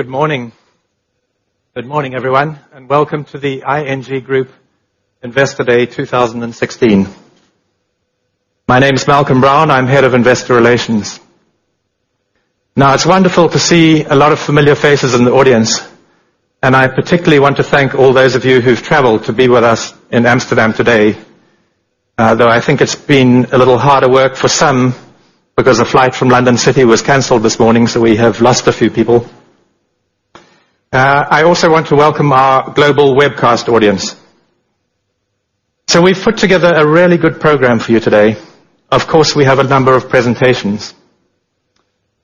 Good morning. Good morning, everyone, and welcome to the ING Group Investor Day 2016. My name is Malcolm Brown. I'm head of investor relations. Now, it's wonderful to see a lot of familiar faces in the audience, and I particularly want to thank all those of you who've traveled to be with us in Amsterdam today. Though I think it's been a little harder work for some because a flight from London City was canceled this morning, we have lost a few people. I also want to welcome our global webcast audience. We've put together a really good program for you today. Of course, we have a number of presentations,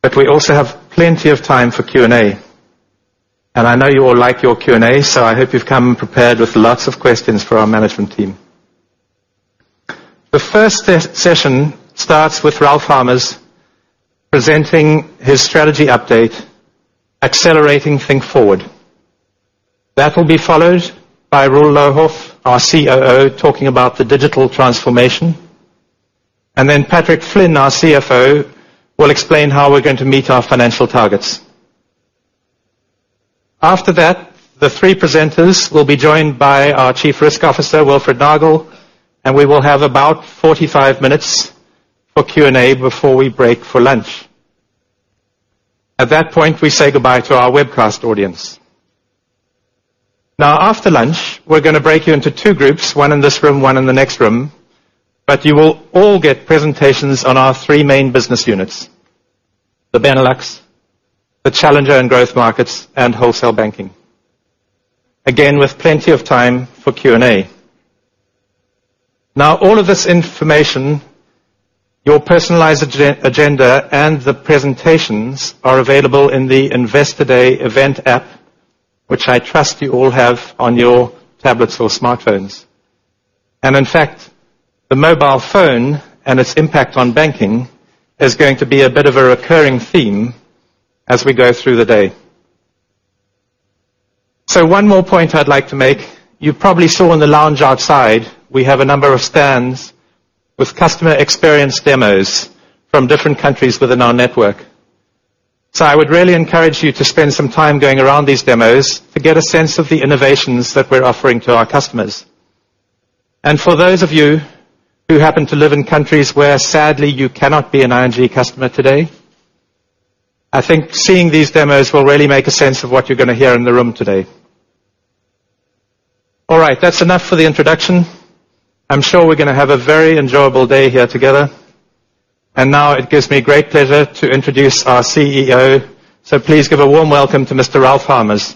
but we also have plenty of time for Q&A, and I know you all like your Q&A, so I hope you've come prepared with lots of questions for our management team. The first session starts with Ralph Hamers presenting his strategy update, Accelerating Think Forward. That will be followed by Roel Louwhoff, our COO, talking about the digital transformation. Patrick Flynn, our CFO, will explain how we're going to meet our financial targets. After that, the three presenters will be joined by our chief risk officer, Wilfred Nagel, and we will have about 45 minutes for Q&A before we break for lunch. At that point, we say goodbye to our webcast audience. After lunch, we're going to break you into two groups, one in this room, one in the next room, but you will all get presentations on our three main business units: the Benelux, the Challengers & Growth Markets, and Wholesale Banking. Again, with plenty of time for Q&A. All of this information, your personalized agenda, and the presentations are available in the Investor Day event app, which I trust you all have on your tablets or smartphones. In fact, the mobile phone and its impact on banking is going to be a bit of a recurring theme as we go through the day. One more point I'd like to make. You probably saw in the lounge outside we have a number of stands with customer experience demos from different countries within our network. I would really encourage you to spend some time going around these demos to get a sense of the innovations that we're offering to our customers. For those of you who happen to live in countries where, sadly, you cannot be an ING customer today, I think seeing these demos will really make a sense of what you're going to hear in the room today. All right, that's enough for the introduction. I'm sure we're going to have a very enjoyable day here together. Now it gives me great pleasure to introduce our CEO, so please give a warm welcome to Mr. Ralph Hamers.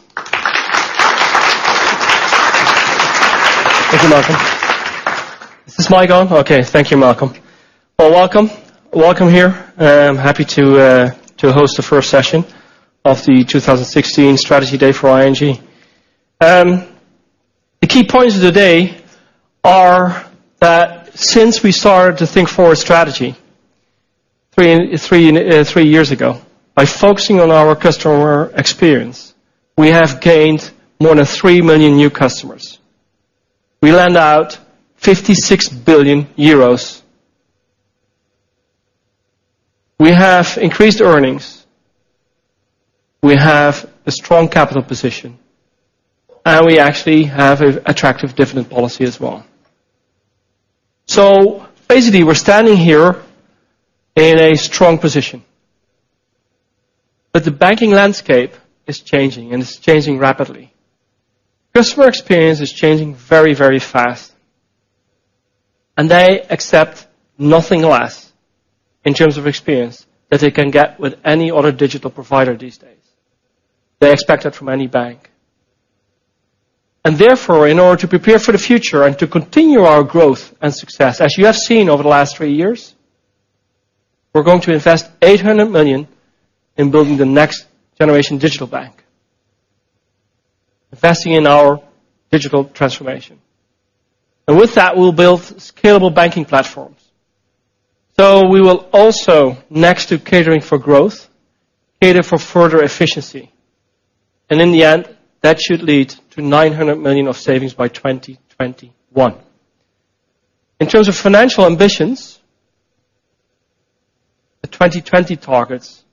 Thank you, Malcolm. Is this mic on? Okay. Thank you, Malcolm. Well, welcome. Welcome here. I'm happy to host the first session of the 2016 Strategy Day for ING. The key points of the day are that since we started the Think Forward strategy three years ago, by focusing on our customer experience, we have gained more than 3 million new customers. We lend out EUR 56 billion. We have increased earnings, we have a strong capital position, and we actually have an attractive dividend policy as well. Basically, we're standing here in a strong position. The banking landscape is changing, and it's changing rapidly. Customer experience is changing very fast, and they accept nothing less in terms of experience that they can get with any other digital provider these days. They expect it from any bank. Therefore, in order to prepare for the future and to continue our growth and success, as you have seen over the last three years, we're going to invest 800 million in building the next generation digital bank. Investing in our digital transformation. With that, we'll build scalable banking platforms. We will also, next to catering for growth, cater for further efficiency. In the end, that should lead to 900 million of savings by 2021. In terms of financial ambitions, the 2020 targets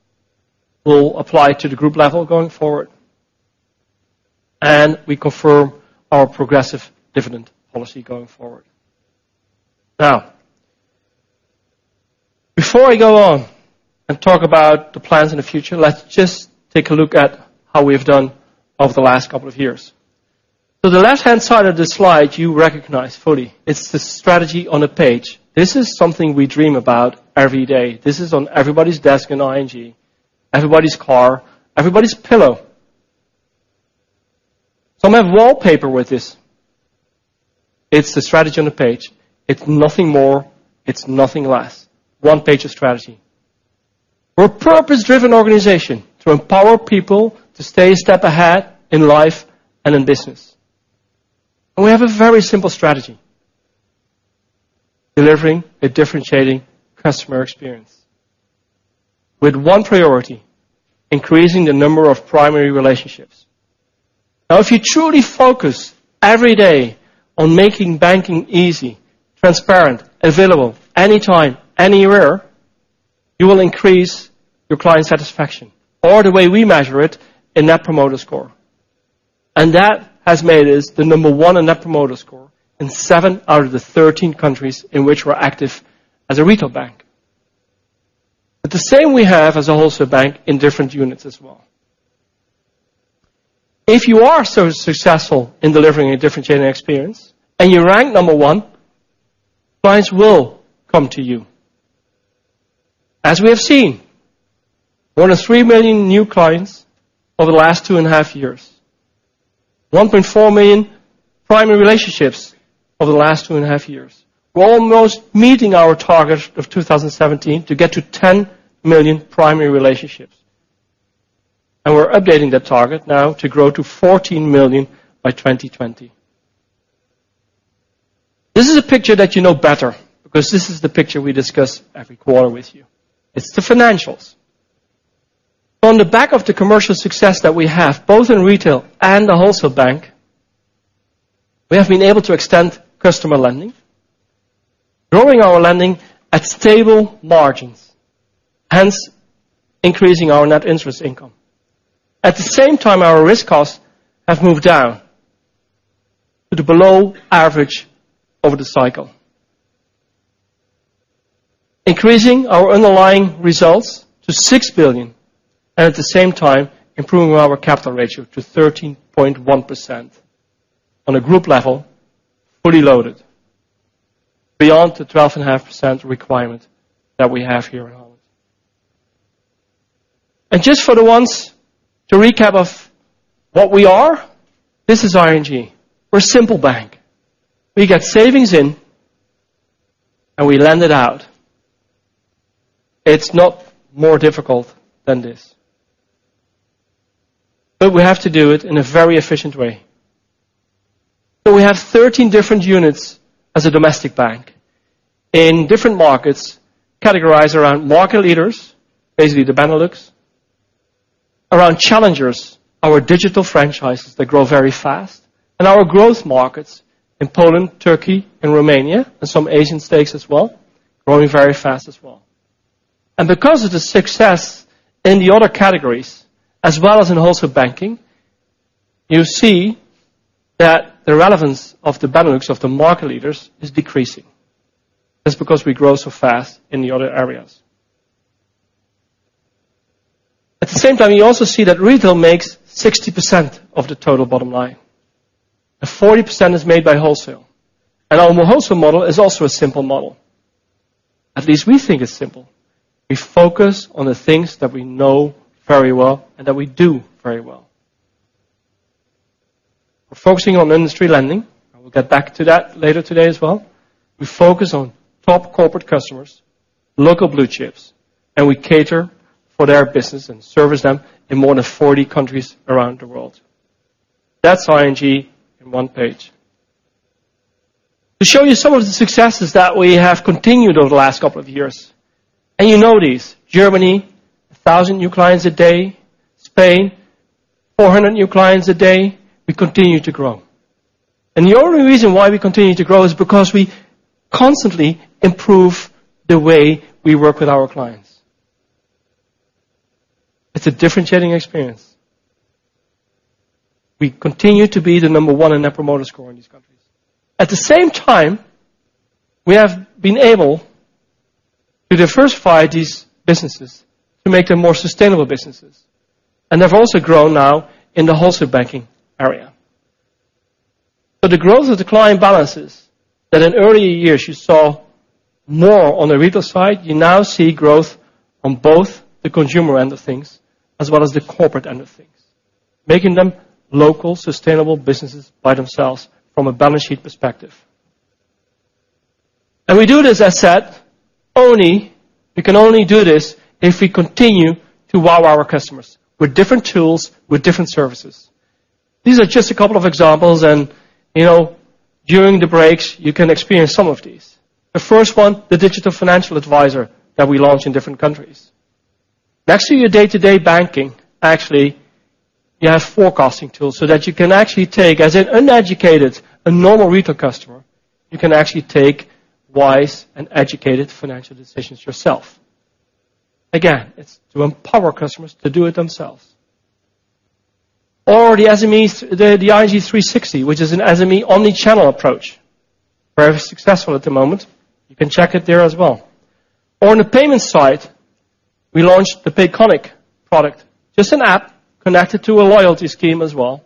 will apply to the group level going forward, and we confirm our progressive dividend policy going forward. Before I go on and talk about the plans in the future, let's just take a look at how we've done over the last couple of years. The left-hand side of the slide, you recognize fully. It's the strategy on a page. This is something we dream about every day. This is on everybody's desk in ING, everybody's car, everybody's pillow. Some have wallpaper with this. It's the strategy on a page. It's nothing more. It's nothing less. One page of strategy. We're a purpose-driven organization to empower people to stay a step ahead in life and in business. We have a very simple strategy. Delivering a differentiating customer experience with one priority, increasing the number of primary relationships. If you truly focus every day on making banking easy, transparent, available anytime, anywhere, you will increase your client satisfaction, or the way we measure it, in Net Promoter Score. That has made us the number one in Net Promoter Score in seven out of the 13 countries in which we're active as a retail bank. The same we have as a wholesale bank in different units as well. If you are so successful in delivering a differentiating experience and you rank number one, clients will come to you. As we have seen, more than 3 million new clients over the last two and a half years, 1.4 million primary relationships over the last two and a half years. We're almost meeting our target of 2017 to get to 10 million primary relationships. We're updating that target now to grow to 14 million by 2020. This is a picture that you know better because this is the picture we discuss every quarter with you. It's the financials. On the back of the commercial success that we have, both in retail and the wholesale bank, we have been able to extend customer lending, growing our lending at stable margins, hence increasing our net interest income. At the same time, our risk costs have moved down to below average over the cycle. Increasing our underlying results to 6 billion, and at the same time improving our capital ratio to 13.1% on a group level, fully loaded, beyond the 12.5% requirement that we have here in Holland. Just for the ones to recap of what we are, this is ING. We are a simple bank. We get savings in, and we lend it out. It is not more difficult than this. We have to do it in a very efficient way. We have 13 different units as a domestic bank in different markets, categorized around market leaders, basically the Benelux. Around challengers, our digital franchises that grow very fast. Our growth markets in Poland, Turkey, and Romania, and some Asian stakes as well, growing very fast as well. Because of the success in the other categories, as well as in Wholesale Banking, you see that the relevance of the Benelux, of the market leaders, is decreasing. That is because we grow so fast in the other areas. At the same time, you also see that retail makes 60% of the total bottom line, and 40% is made by Wholesale Banking. Our Wholesale Banking model is also a simple model. At least we think it is simple. We focus on the things that we know very well and that we do very well. We are focusing on industry lending. I will get back to that later today as well. We focus on top corporate customers, local blue chips, and we cater for their business and service them in more than 40 countries around the world. That is ING in one page. To show you some of the successes that we have continued over the last couple of years, and you know these. Germany, 1,000 new clients a day. Spain, 400 new clients a day. We continue to grow. The only reason why we continue to grow is because we constantly improve the way we work with our clients. It is a differentiating experience. We continue to be the number one in Net Promoter Score in these countries. At the same time, we have been able to diversify these businesses to make them more sustainable businesses, and have also grown now in the Wholesale Banking area. The growth of the client balance is that in earlier years, you saw more on the retail side. You now see growth on both the consumer end of things as well as the corporate end of things, making them local, sustainable businesses by themselves from a balance sheet perspective. We do this, as I said, we can only do this if we continue to wow our customers with different tools, with different services. These are just a couple of examples, and during the breaks, you can experience some of these. The first one, the digital financial advisor that we launched in different countries. Next to your day-to-day banking, actually, you have forecasting tools so that you can actually take, as an uneducated, a normal retail customer, you can actually take wise and educated financial decisions yourself. Again, it is to empower customers to do it themselves. The SMEs, the ING 360, which is an SME omni-channel approach. Very successful at the moment. You can check it there as well. On the payment side, we launched the Payconiq product. Just an app connected to a loyalty scheme as well.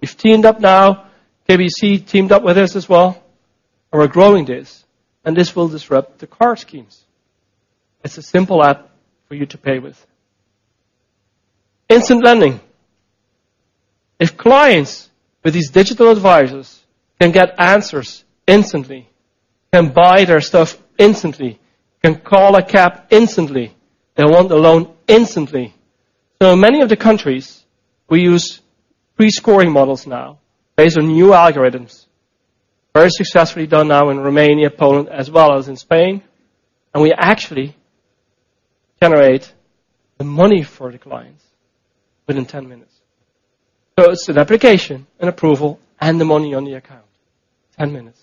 We've teamed up now, KBC teamed up with us as well, and we're growing this, and this will disrupt the card schemes. It's a simple app for you to pay with. Instant lending. If clients with these digital advisors can get answers instantly, can buy their stuff instantly, can call a cab instantly, they want the loan instantly. In many of the countries, we use pre-scoring models now based on new algorithms. Very successfully done now in Romania, Poland, as well as in Spain. We actually generate the money for the clients within 10 minutes. It's an application, an approval, and the money on the account. 10 minutes.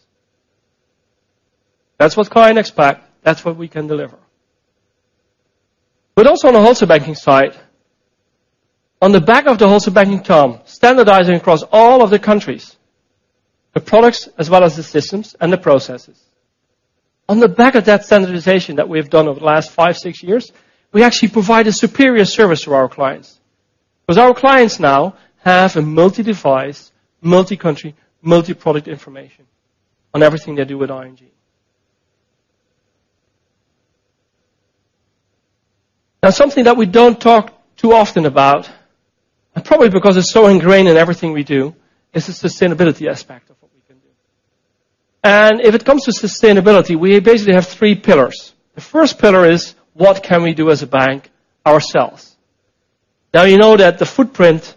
That's what clients expect, that's what we can deliver. Also on the Wholesale Banking side, on the back of the Wholesale Banking TOM, standardizing across all of the countries, the products as well as the systems and the processes. On the back of that standardization that we have done over the last five, six years, we actually provide a superior service for our clients. Our clients now have a multi-device, multi-country, multi-product information on everything they do with ING. Something that we don't talk too often about, and probably because it's so ingrained in everything we do, is the sustainability aspect of what we can do. If it comes to sustainability, we basically have three pillars. The first pillar is, what can we do as a bank ourselves? You know that the footprint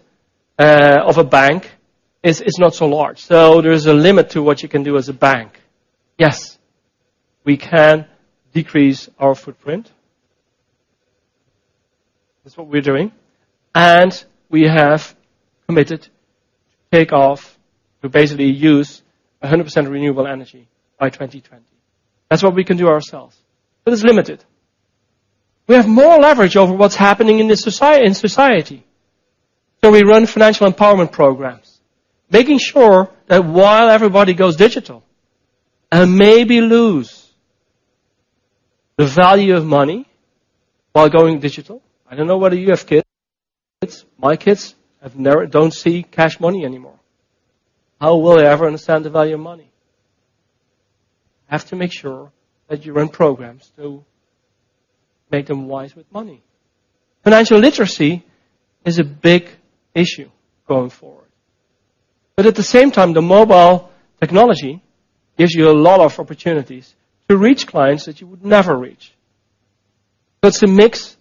of a bank is not so large. There is a limit to what you can do as a bank. Yes, we can decrease our footprint. That's what we're doing. We have committed to take off, to basically use 100% renewable energy by 2020. That's what we can do ourselves, but it's limited. We have more leverage over what's happening in society. We run financial empowerment programs, making sure that while everybody goes digital and maybe lose the value of money while going digital. I don't know whether you have kids. My kids don't see cash money anymore. How will they ever understand the value of money? Have to make sure that you run programs to make them wise with money. Financial literacy is a big issue going forward. At the same time, the mobile technology gives you a lot of opportunities to reach clients that you would never reach. It's a mix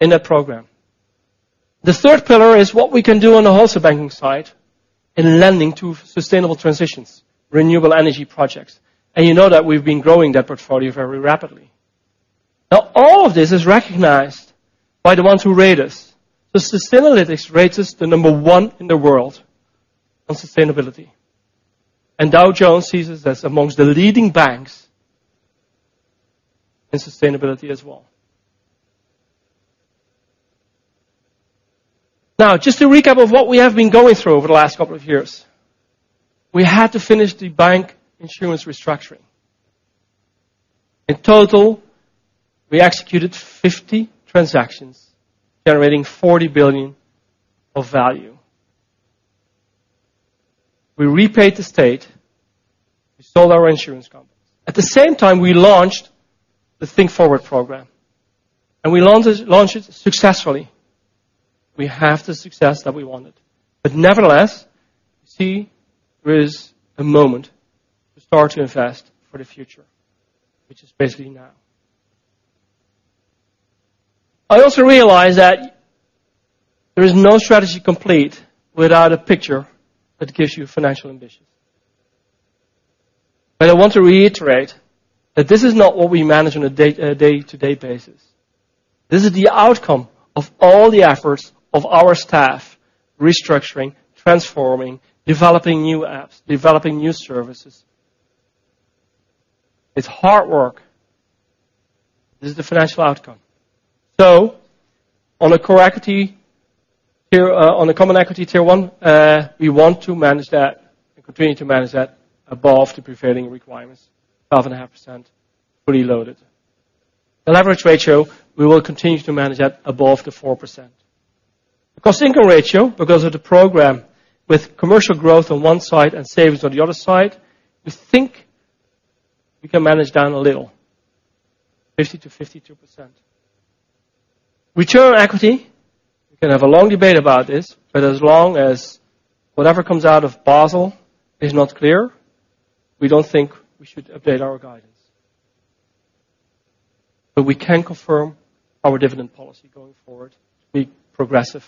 in that program. The third pillar is what we can do on the Wholesale Banking side in lending to sustainable transitions, renewable energy projects, you know that we've been growing that portfolio very rapidly. All of this is recognized by the ones who rate us. Sustainalytics rates us the number one in the world on sustainability. Dow Jones sees us as amongst the leading banks in sustainability as well. Just to recap of what we have been going through over the last couple of years. We had to finish the bank insurance restructuring. In total, we executed 50 transactions, generating 40 billion of value. We repaid the state. We sold our insurance companies. At the same time, we launched the Think Forward program, we launched it successfully. We have the success that we wanted. Nevertheless, we see there is a moment to start to invest for the future, which is basically now. I also realize that there is no strategy complete without a picture that gives you financial ambitions. I want to reiterate that this is not what we manage on a day-to-day basis. This is the outcome of all the efforts of our staff restructuring, transforming, developing new apps, developing new services. It's hard work. This is the financial outcome. On a Common Equity Tier 1, we want to manage that and continue to manage that above the prevailing requirements, 12.5% fully loaded. The leverage ratio, we will continue to manage that above the 4%. cost-income ratio, because of the program with commercial growth on one side and savings on the other side, we think we can manage down a little, 50%-52%. Return on equity, we can have a long debate about this, but as long as whatever comes out of Basel is not clear, we don't think we should update our guidance. We can confirm our dividend policy going forward to be progressive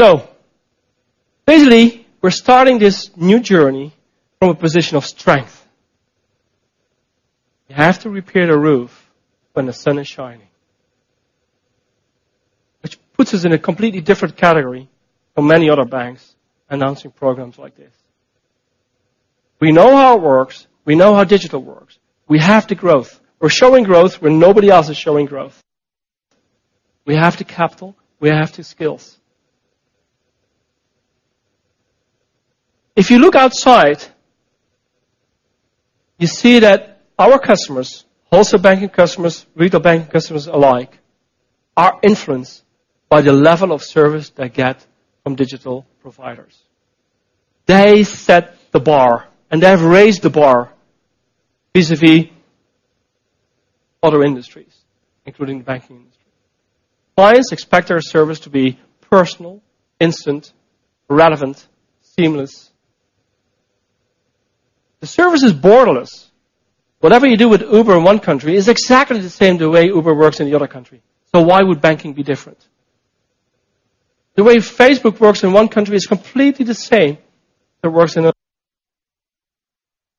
in time. Basically, we're starting this new journey from a position of strength. You have to repair the roof when the sun is shining. Which puts us in a completely different category from many other banks announcing programs like this. We know how it works. We know how digital works. We have the growth. We're showing growth when nobody else is showing growth. We have the capital. We have the skills. If you look outside, you see that our customers, Wholesale Banking customers, Retail Bank customers alike, are influenced by the level of service they get from digital providers. They set the bar, they have raised the bar vis-à-vis other industries, including the banking industry. Clients expect our service to be personal, instant, relevant, seamless. The service is borderless. Whatever you do with Uber in one country is exactly the same the way Uber works in the other country. Why would banking be different? The way Facebook works in one country is completely the same as it works in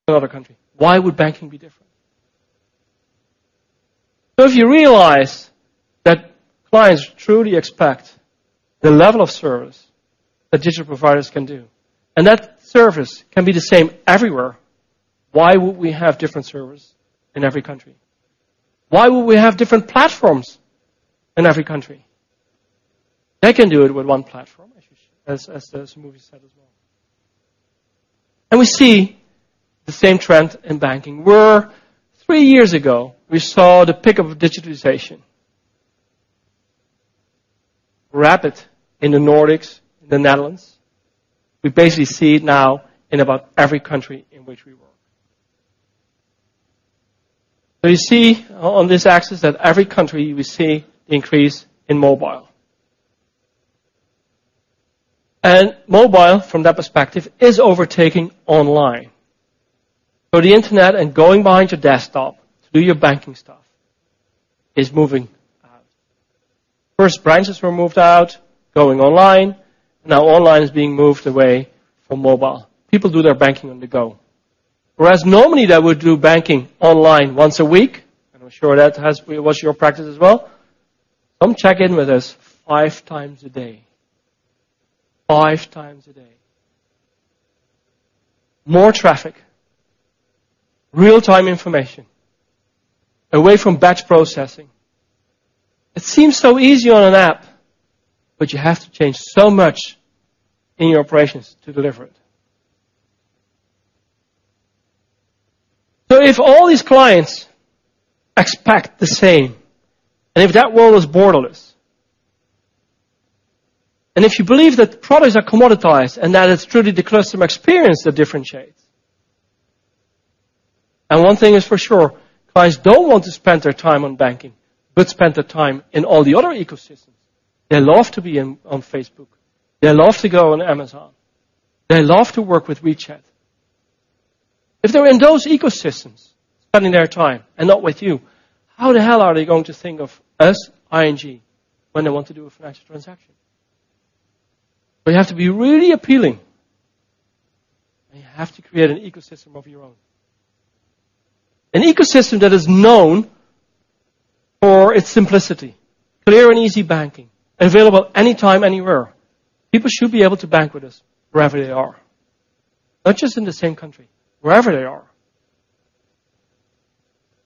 another country. Why would banking be different? If you realize that clients truly expect the level of service that digital providers can do, and that service can be the same everywhere, why would we have different service in every country? Why would we have different platforms in every country? They can do it with one platform, as the movie said as well. We see the same trend in banking, where three years ago we saw the pick of digitization. Rapid in the Nordics, in the Netherlands. We basically see it now in about every country in which we work. You see on this axis that every country we see increase in mobile. Mobile, from that perspective, is overtaking online. The internet and going behind your desktop to do your banking stuff is moving out. First, branches were moved out, going online. Now online is being moved away for mobile. People do their banking on the go. Whereas normally they would do banking online once a week, and I'm sure that was your practice as well. Some check in with us five times a day. Five times a day. More traffic, real-time information, away from batch processing. It seems so easy on an app, but you have to change so much in your operations to deliver it. If all these clients expect the same, and if that world is borderless, and if you believe that products are commoditized and that it's truly the customer experience that differentiates. One thing is for sure, clients don't want to spend their time on banking, but spend their time in all the other ecosystems. They love to be on Facebook. They love to go on Amazon. They love to work with WeChat. If they're in those ecosystems spending their time and not with you, how the hell are they going to think of us, ING, when they want to do a financial transaction? We have to be really appealing, and you have to create an ecosystem of your own. An ecosystem that is known for its simplicity. Clear and easy banking, available anytime, anywhere. People should be able to bank with us wherever they are. Not just in the same country, wherever they are.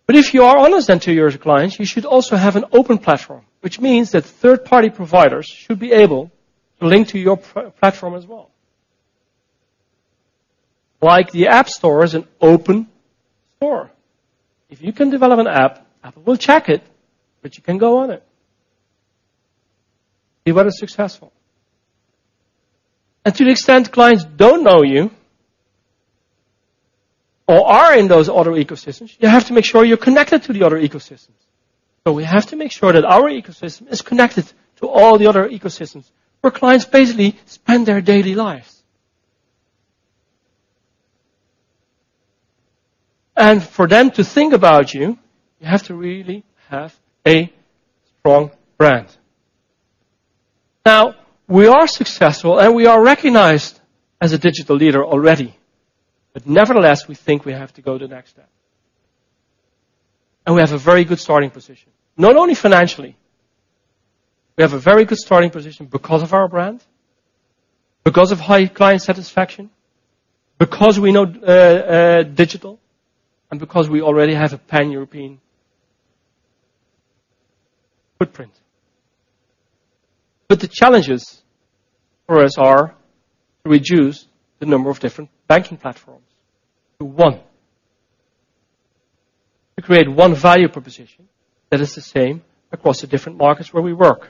If you are honest to your clients, you should also have an open platform, which means that third-party providers should be able to link to your platform as well. Like the App Store is an open store. If you can develop an app, Apple will check it, but you can go on it. It was successful. To the extent clients don't know you or are in those other ecosystems, you have to make sure you're connected to the other ecosystems. We have to make sure that our ecosystem is connected to all the other ecosystems where clients basically spend their daily lives. For them to think about you have to really have a strong brand. We are successful, and we are recognized as a digital leader already. Nevertheless, we think we have to go to the next step. We have a very good starting position, not only financially. We have a very good starting position because of our brand, because of high client satisfaction, because we know digital, and because we already have a pan-European footprint. The challenges for us are to reduce the number of different banking platforms to one. To create one value proposition that is the same across the different markets where we work.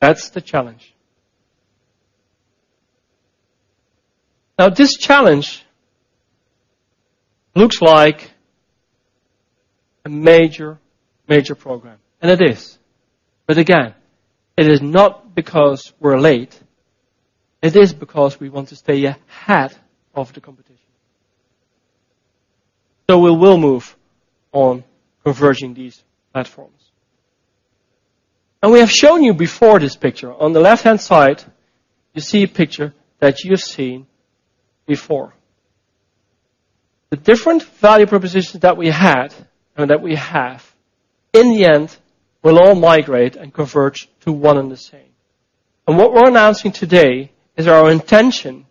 That's the challenge. This challenge looks like a major program, and it is. Again, it is not because we're late. It is because we want to stay ahead of the competition. We will move on converging these platforms. We have shown you before this picture. On the left-hand side, you see a picture that you've seen before. The different value propositions that we had and that we have, in the end, will all migrate and converge to one and the same. What we're announcing today is our intention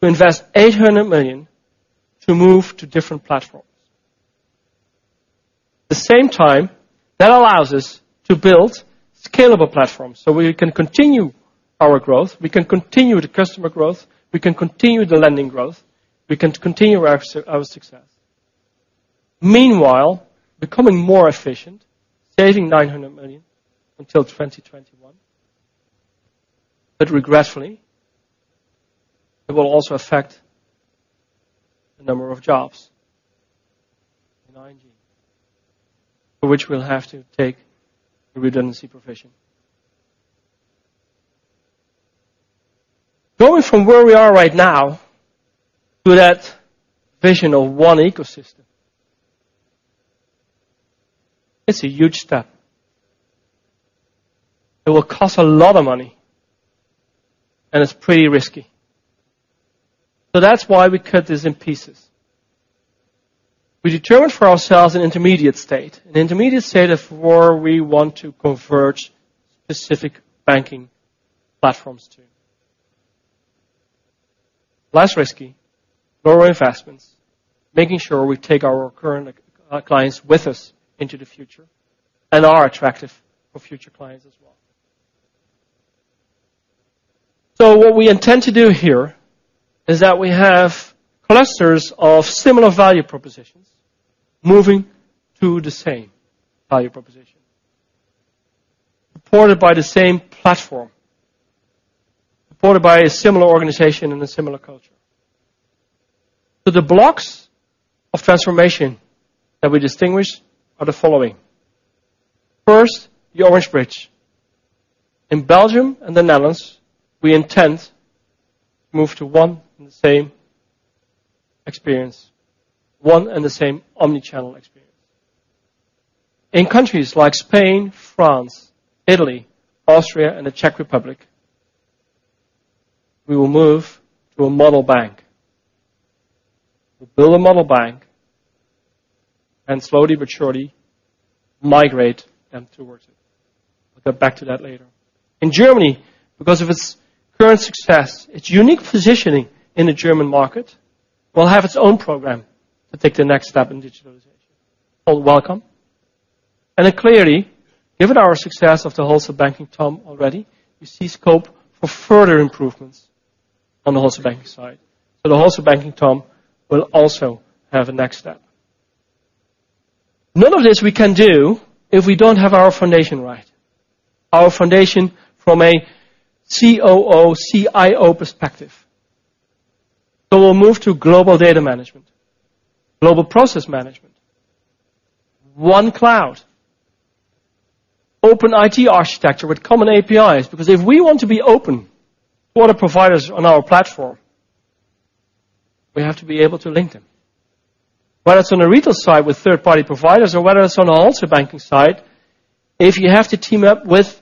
to invest 800 million to move to different platforms. At the same time, that allows us to build scalable platforms so we can continue our growth, we can continue the customer growth, we can continue the lending growth. We can continue our success. Meanwhile, becoming more efficient, saving 900 million until 2021. Regretfully, it will also affect the number of jobs in ING, for which we'll have to take a redundancy provision. Going from where we are right now to that vision of one ecosystem is a huge step. It will cost a lot of money, and it's pretty risky. That's why we cut this in pieces. We determined for ourselves an intermediate state of where we want to converge specific banking platforms to. Less risky, lower investments, making sure we take our current clients with us into the future and are attractive for future clients as well. What we intend to do here is that we have clusters of similar value propositions moving to the same value proposition, supported by the same platform, supported by a similar organization and a similar culture. The blocks of transformation that we distinguish are the following. First, the Orange Bridge. In Belgium and the Netherlands, we intend to move to one and the same experience, one and the same omnichannel experience. In countries like Spain, France, Italy, Austria, and the Czech Republic, we will move to a Model Bank. We'll build a Model Bank and slowly but surely migrate them towards it. We'll get back to that later. In Germany, because of its current success, its unique positioning in the German market will have its own program to take the next step in digitalization, called Welcome. Clearly, given our success of the Wholesale Banking TOM already, you see scope for further improvements on the Wholesale Banking side. The Wholesale Banking TOM will also have a next step. None of this we can do if we don't have our foundation right, our foundation from a COO, CIO perspective. We'll move to global data management, global process management, one cloud, open IT architecture with common APIs. Because if we want to be open for the providers on our platform, we have to be able to link them. Whether it's on the retail side with third-party providers or whether it's on the Wholesale Banking side, if you have to team up with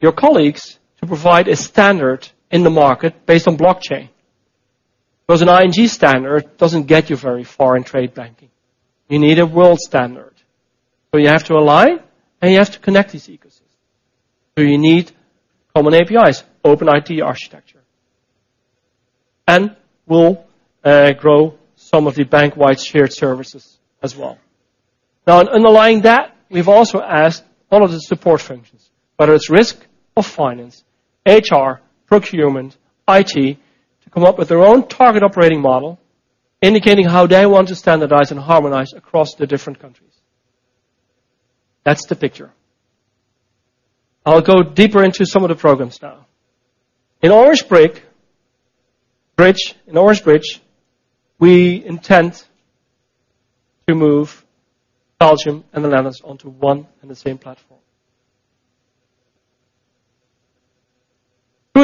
your colleagues to provide a standard in the market based on blockchain. Because an ING standard doesn't get you very far in trade banking. You need a world standard. You have to align, and you have to connect this ecosystem. You need common APIs, open IT architecture. We'll grow some of the bank-wide shared services as well. Now, in underlying that, we've also asked all of the support functions, whether it's risk or finance, HR, procurement, IT, to come up with their own Target Operating Model indicating how they want to standardize and harmonize across the different countries. That's the picture. I'll go deeper into some of the programs now. In Orange Bridge, we intend to move Belgium and the Netherlands onto one and the same platform.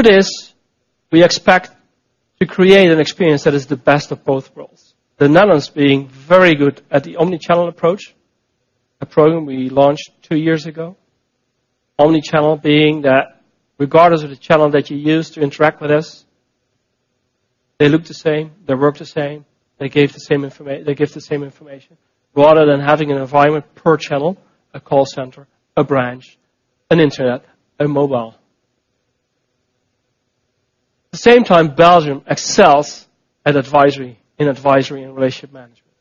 Through this, we expect to create an experience that is the best of both worlds. The Netherlands being very good at the omnichannel approach, a program we launched 2 years ago. Omnichannel being that regardless of the channel that you use to interact with us, they look the same, they work the same, they give the same information. Rather than having an environment per channel, a call center, a branch, an internet, a mobile. At the same time, Belgium excels at advisory and relationship management.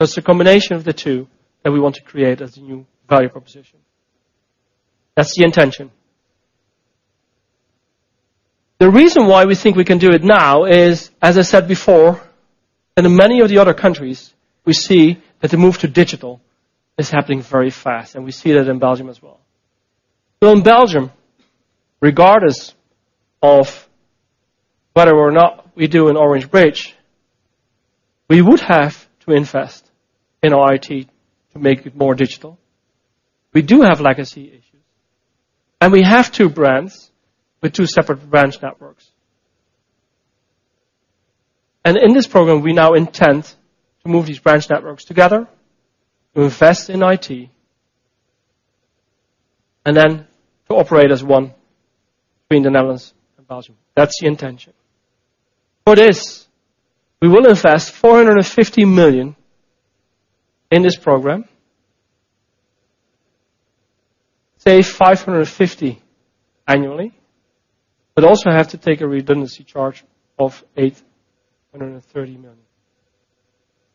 That's the combination of the two that we want to create as a new value proposition. That's the intention. The reason why we think we can do it now is, as I said before, in many of the other countries, we see that the move to digital is happening very fast, and we see that in Belgium as well. In Belgium, regardless of whether or not we do an Orange Bridge, we would have to invest in our IT to make it more digital. We do have legacy issues, and we have two brands with two separate branch networks. In this program, we now intend to move these branch networks together, to invest in IT, and then to operate as one between the Netherlands and Belgium. That's the intention. For this, we will invest 450 million in this program, save 550 annually, but also have to take a redundancy charge of 830 million.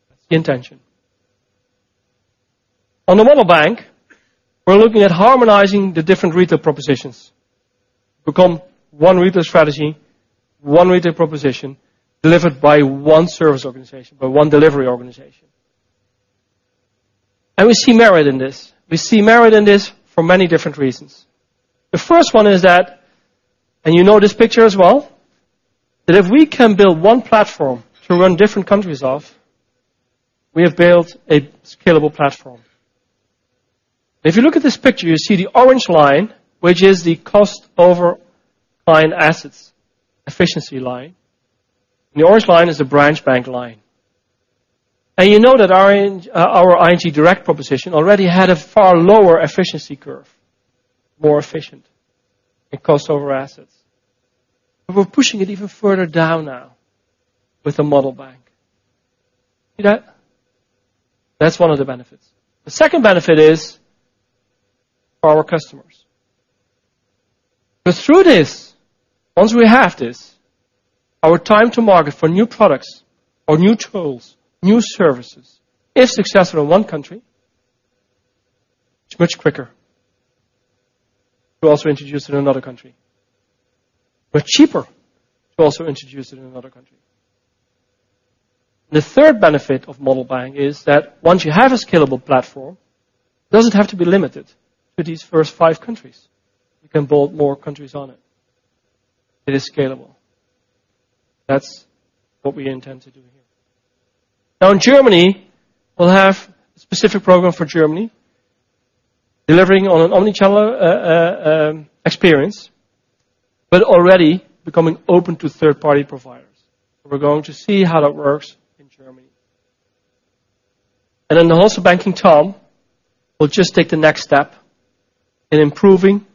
That's the intention. On the Model Bank, we're looking at harmonizing the different retail propositions to become one retail strategy, one retail proposition, delivered by one service organization, by one delivery organization. We see merit in this. We see merit in this for many different reasons. The first one is that, and you know this picture as well, that if we can build one platform to run different countries off, we have built a scalable platform. If you look at this picture, you see the orange line, which is the cost-to-assets efficiency line. The orange line is the branch bank line. You know that our ING Direct proposition already had a far lower efficiency curve, more efficient in cost over assets. We're pushing it even further down now with the Model Bank. That's one of the benefits. The second benefit is for our customers. Through this, once we have this, our time to market for new products or new tools, new services, if successful in one country, it's much quicker to also introduce in another country. We're cheaper to also introduce it in another country. The third benefit of Model Bank is that once you have a scalable platform, it doesn't have to be limited to these first five countries. You can build more countries on it. It is scalable. That's what we intend to do here. Now, in Germany, we'll have a specific program for Germany, delivering on an omnichannel experience, but already becoming open to third-party providers. We're going to see how that works in Germany. Then the Wholesale Banking TOM, we'll just take the next step in improving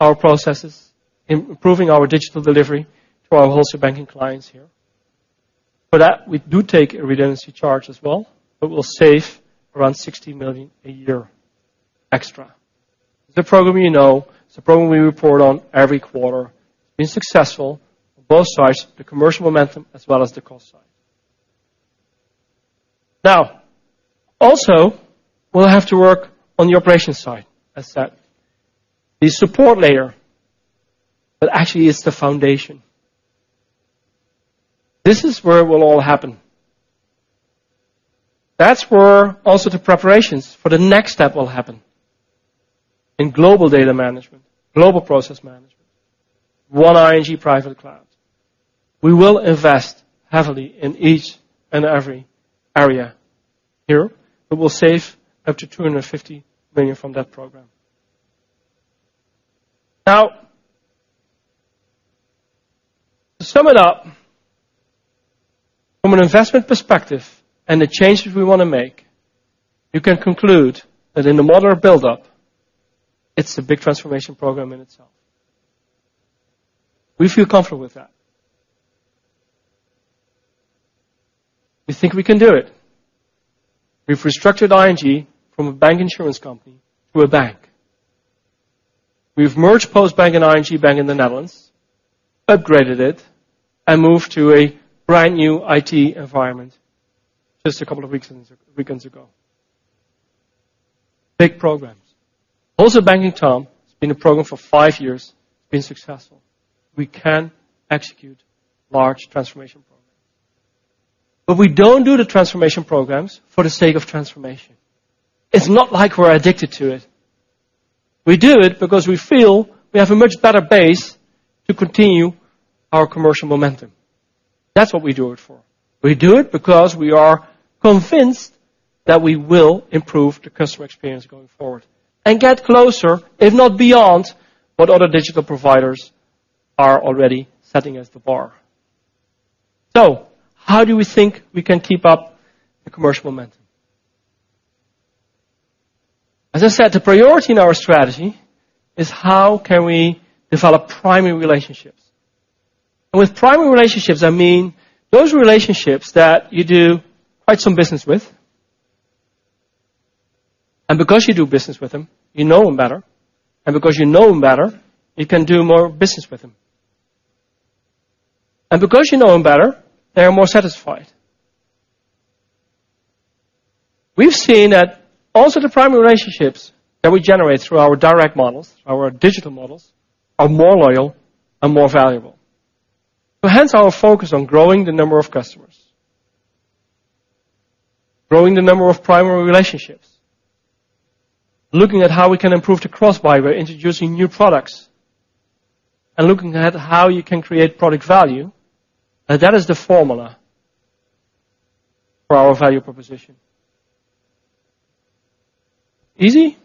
our processes, improving our digital delivery to our Wholesale Banking clients here. For that, we do take a redundancy charge as well. We'll save around 60 million a year extra. It's a program you know, it's a program we report on every quarter. It's been successful both sides, the commercial momentum as well as the cost side. Also, we'll have to work on the operation side, as said. The support layer, but actually it's the foundation. This is where it will all happen. That's where also the preparations for the next step will happen in global data management, global process management, one ING private cloud. We will invest heavily in each and every area here, but we'll save up to 250 million from that program. To sum it up, from an investment perspective and the changes we want to make, you can conclude that in the Model Bank, it's the big transformation program in itself. We feel comfortable with that. We think we can do it. We've restructured ING from a bank insurance company to a bank. We've merged Postbank and ING Bank in the Netherlands, upgraded it, and moved to a brand-new IT environment just a couple of weeks ago. Big programs. Also, Banking TOM, it's been a program for five years, been successful. We can execute large transformation programs. We don't do the transformation programs for the sake of transformation. It's not like we're addicted to it. We do it because we feel we have a much better base to continue our commercial momentum. That's what we do it for. We do it because we are convinced that we will improve the customer experience going forward and get closer, if not beyond, what other digital providers are already setting as the bar. How do we think we can keep up the commercial momentum? As I said, the priority in our strategy is how can we develop primary relationships. With primary relationships, I mean those relationships that you do quite some business with, because you do business with them, you know them better, because you know them better, you can do more business with them. Because you know them better, they are more satisfied. We've seen that also the primary relationships that we generate through our direct models, our digital models, are more loyal and more valuable. Hence our focus on growing the number of customers, growing the number of primary relationships, looking at how we can improve the cross-buy, introducing new products, looking at how you can create product value. That is the formula for our value proposition. Easy.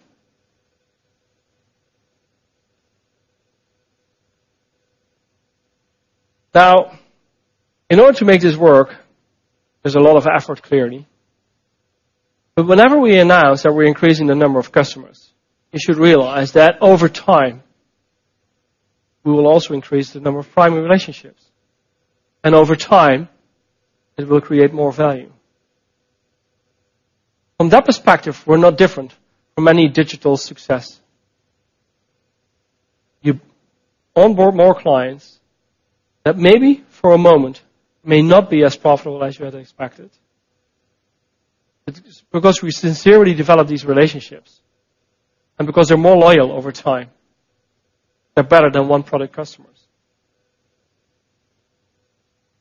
Now, in order to make this work, there's a lot of effort, clearly. Whenever we announce that we're increasing the number of customers, you should realize that over time, we will also increase the number of primary relationships. Over time, it will create more value. From that perspective, we're no different from any digital success. You onboard more clients that maybe for a moment may not be as profitable as you had expected. We sincerely develop these relationships, because they're more loyal over time, they're better than one-product customers.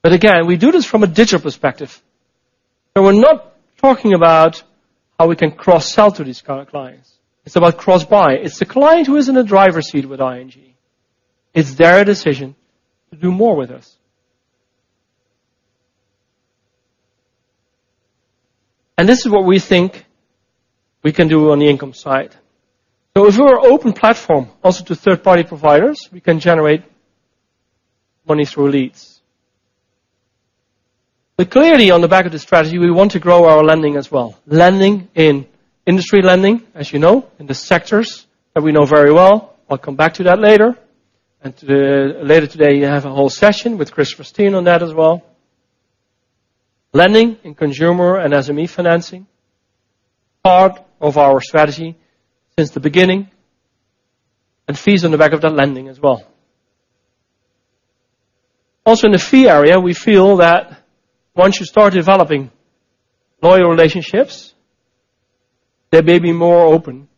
Again, we do this from a digital perspective, we're not talking about how we can cross-sell to these current clients. It's about cross-buy. It's the client who is in the driver's seat with ING. It's their decision to do more with us. This is what we think we can do on the income side. As we're an open platform also to third-party providers, we can generate money through leads. Clearly, on the back of the strategy, we want to grow our lending as well. Lending in industry lending, as you know, in the sectors that we know very well. I'll come back to that later. Later today, you have a whole session with Chris Steane on that as well. Lending in consumer and SME financing, part of our strategy since the beginning, fees on the back of that lending as well. Also, in the fee area, we feel that once you start developing loyal relationships, they may be more open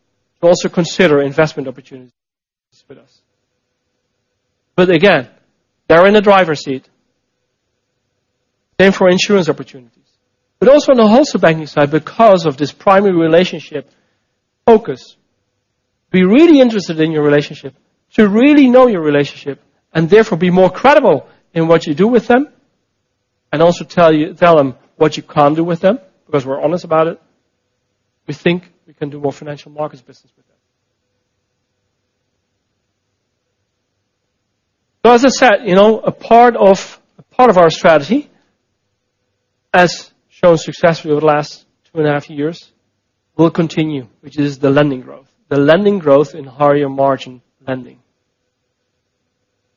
to also consider investment opportunities with us. Again, they're in the driver's seat. Same for insurance opportunities. On the Wholesale Banking side, because of this primary relationship focus, be really interested in your relationship, to really know your relationship, and therefore be more credible in what you do with them, and also tell them what you can't do with them, because we're honest about it. We think we can do more financial markets business with them. As I said, a part of our strategy, as shown successfully over the last two and a half years, will continue, which is the lending growth. The lending growth in higher margin lending.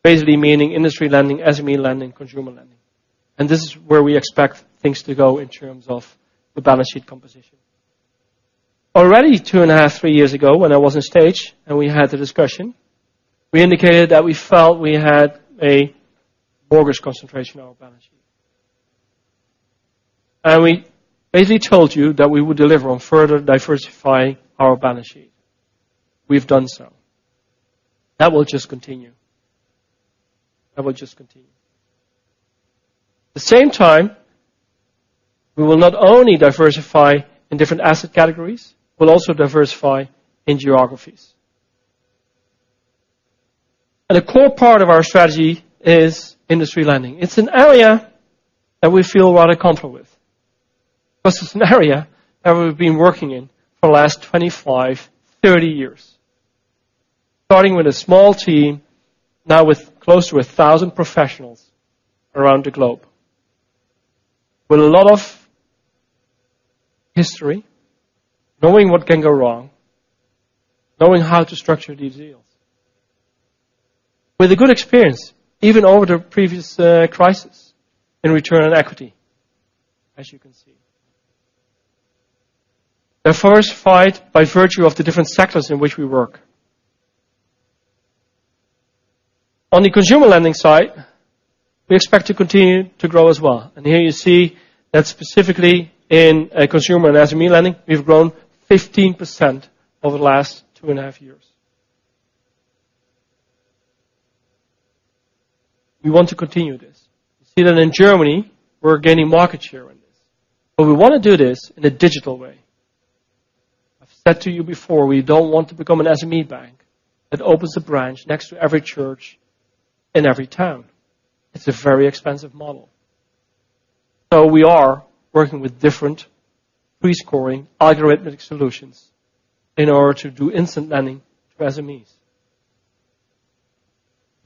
Basically meaning industry lending, SME lending, consumer lending. This is where we expect things to go in terms of the balance sheet composition. Already two and a half, three years ago, when I was on stage and we had the discussion, we indicated that we felt we had a mortgage concentration on our balance sheet. We basically told you that we would deliver on further diversifying our balance sheet. We've done so. That will just continue. At the same time, we will not only diversify in different asset categories, we'll also diversify in geographies. A core part of our strategy is industry lending. It's an area that we feel rather comfortable with. Plus, it's an area that we've been working in for the last 25, 30 years. Starting with a small team, now with close to 1,000 professionals around the globe. With a lot of history, knowing what can go wrong, knowing how to structure these deals. With a good experience, even over the previous crisis in return on equity, as you can see. Diversified by virtue of the different sectors in which we work. On the consumer lending side, we expect to continue to grow as well. Here you see that specifically in consumer and SME lending, we've grown 15% over the last two and a half years. We want to continue this. You see that in Germany, we're gaining market share in this. We want to do this in a digital way. I've said to you before, we don't want to become an SME bank that opens a branch next to every church in every town. It's a very expensive model. We are working with different pre-scoring algorithmic solutions in order to do instant lending to SMEs.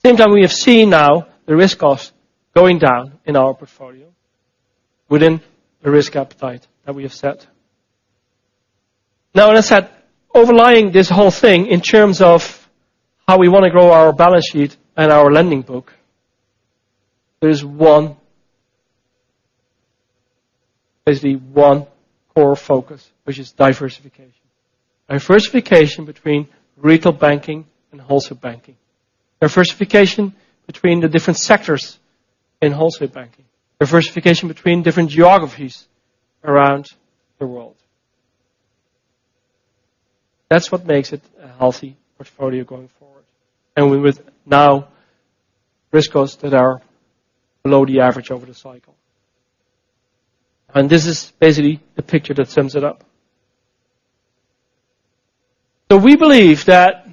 Same time we have seen now the risk of going down in our portfolio within the risk appetite that we have set. As I said, overlying this whole thing in terms of how we want to grow our balance sheet and our lending book, there's one basically one core focus, which is diversification. Diversification between retail banking and Wholesale Banking. Diversification between the different sectors in Wholesale Banking. Diversification between different geographies around the world. That's what makes it a healthy portfolio going forward. With now risk costs that are below the average over the cycle. This is basically the picture that sums it up. We believe that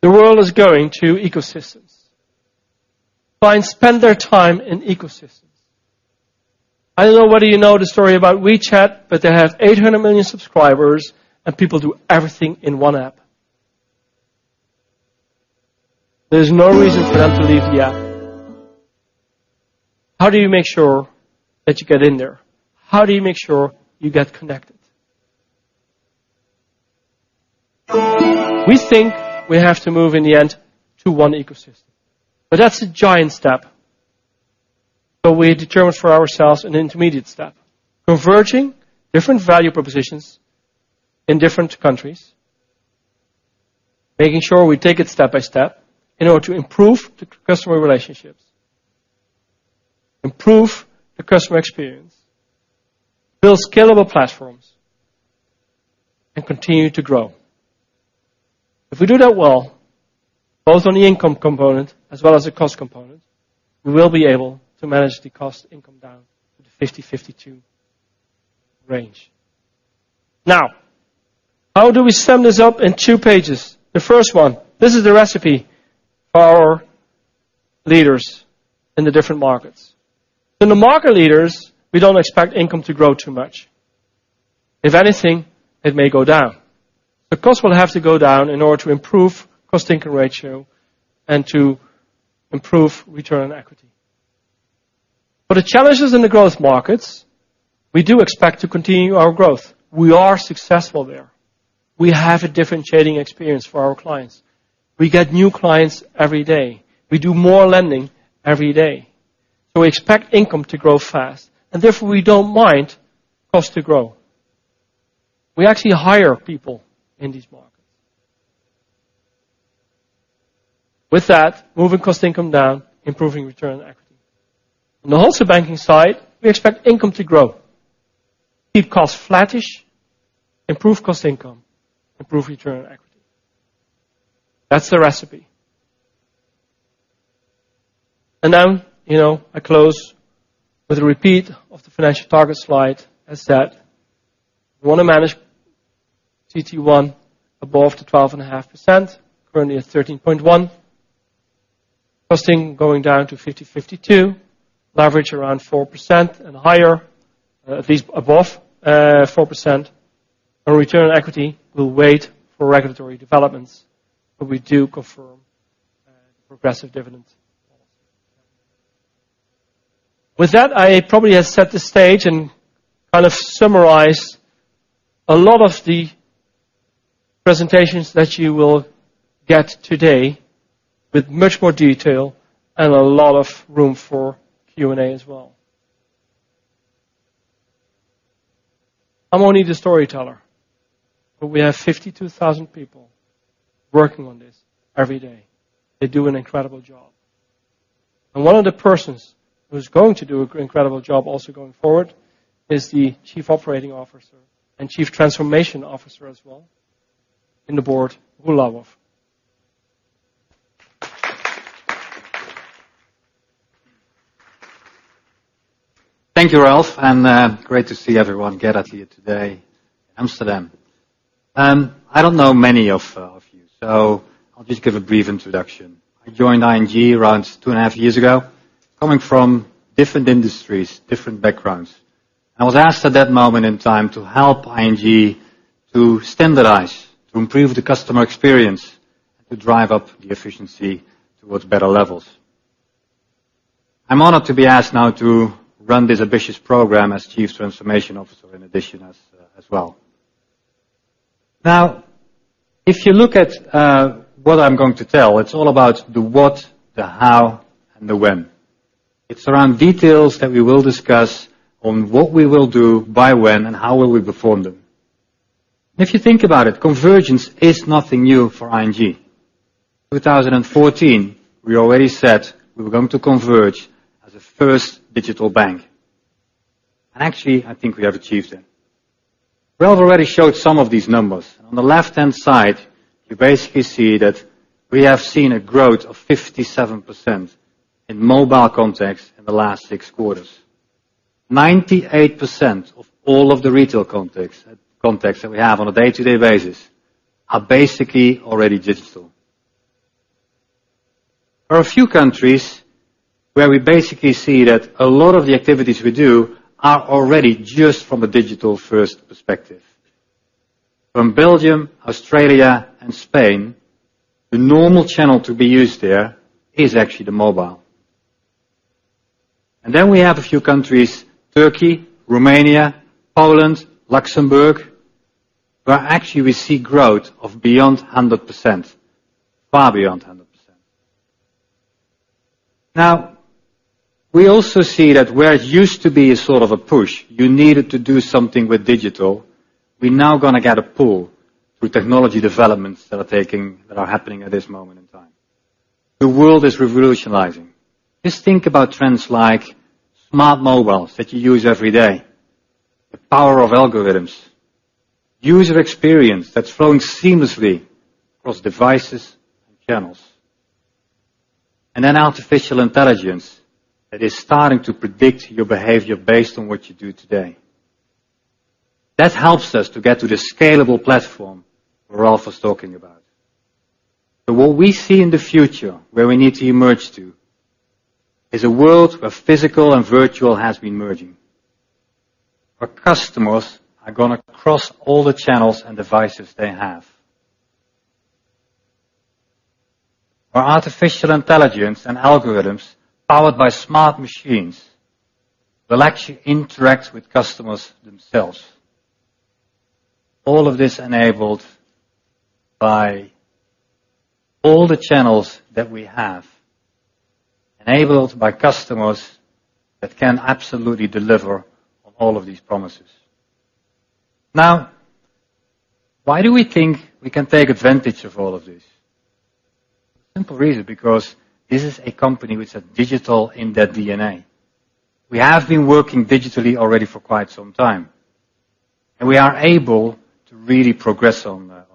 the world is going to ecosystems. Clients spend their time in ecosystems. I don't know whether you know the story about WeChat, but they have 800 million subscribers, and people do everything in one app. There's no reason for them to leave the app. How do you make sure that you get in there? How do you make sure you get connected? We think we have to move in the end to one ecosystem. That's a giant step. We determined for ourselves an intermediate step. Converging different value propositions in different countries. Making sure we take it step by step in order to improve the customer relationships. Improve the customer experience. Build scalable platforms. Continue to grow. If we do that well, both on the income component as well as the cost component, we will be able to manage the cost-income down to the 50-52 range. How do we sum this up in two pages? The first one, this is the recipe for our leaders in the different markets. In the market leaders, we don't expect income to grow too much. If anything, it may go down. The cost will have to go down in order to improve cost-income ratio and to improve return on equity. For the Challengers & Growth Markets, we do expect to continue our growth. We are successful there. We have a differentiating experience for our clients. We get new clients every day. We do more lending every day. We expect income to grow fast, and therefore, we don't mind cost to grow. We actually hire people in these markets. With that, moving cost-income down, improving return on equity. On the Wholesale Banking side, we expect income to grow, keep costs flattish, improve cost-income, improve return on equity. That's the recipe. Now, I close with a repeat of the financial target slide. As said, we want to manage CT1 above the 12.5%, currently at 13.1%. Cost-income going down to 50-52%. Leverage around 4% and higher, at least above 4%. Our return on equity will wait for regulatory developments, but we do confirm progressive dividend policy. With that, I probably have set the stage and summarized a lot of the presentations that you will get today with much more detail and a lot of room for Q&A as well. I'm only the storyteller, we have 52,000 people working on this every day. They do an incredible job. One of the persons who's going to do an incredible job also going forward is the Chief Operations Officer and Chief Transformation Officer as well, in the board, Roel Louwhoff. Thank you, Ralph. Great to see everyone gathered here today in Amsterdam. I don't know many of you, so I'll just give a brief introduction. I joined ING around two and a half years ago, coming from different industries, different backgrounds. I was asked at that moment in time to help ING to standardize, to improve the customer experience, to drive up the efficiency towards better levels. I'm honored to be asked now to run this ambitious program as Chief Transformation Officer in addition as well. If you look at what I'm going to tell, it's all about the what, the how, and the when. It's around details that we will discuss on what we will do by when and how will we perform them. If you think about it, convergence is nothing new for ING. 2014, we already said we were going to converge as a first digital bank. Actually, I think we have achieved it. Ralph already showed some of these numbers. On the left-hand side, you basically see that we have seen a growth of 57% in mobile contacts in the last six quarters. 98% of all of the retail contacts that we have on a day-to-day basis are basically already digital. There are a few countries where we basically see that a lot of the activities we do are already just from a digital-first perspective. From Belgium, Australia, and Spain, the normal channel to be used there is actually the mobile. Then we have a few countries, Turkey, Romania, Poland, Luxembourg, where actually we see growth of beyond 100%, far beyond 100%. We also see that where it used to be a sort of a push, you needed to do something with digital, we're now going to get a pull with technology developments that are happening at this moment in time. The world is revolutionizing. Just think about trends like smart mobiles that you use every day, the power of algorithms, user experience that's flowing seamlessly across devices and channels, then artificial intelligence that is starting to predict your behavior based on what you do today. That helps us to get to the scalable platform Ralph was talking about. What we see in the future where we need to emerge to is a world where physical and virtual has been merging, where customers are going to cross all the channels and devices they have. Where artificial intelligence and algorithms powered by smart machines will actually interact with customers themselves. All of this enabled by all the channels that we have, enabled by customers that can absolutely deliver on all of these promises. Why do we think we can take advantage of all of this? Simple reason, because this is a company with digital in their DNA. We have been working digitally already for quite some time. We are able to really progress on that.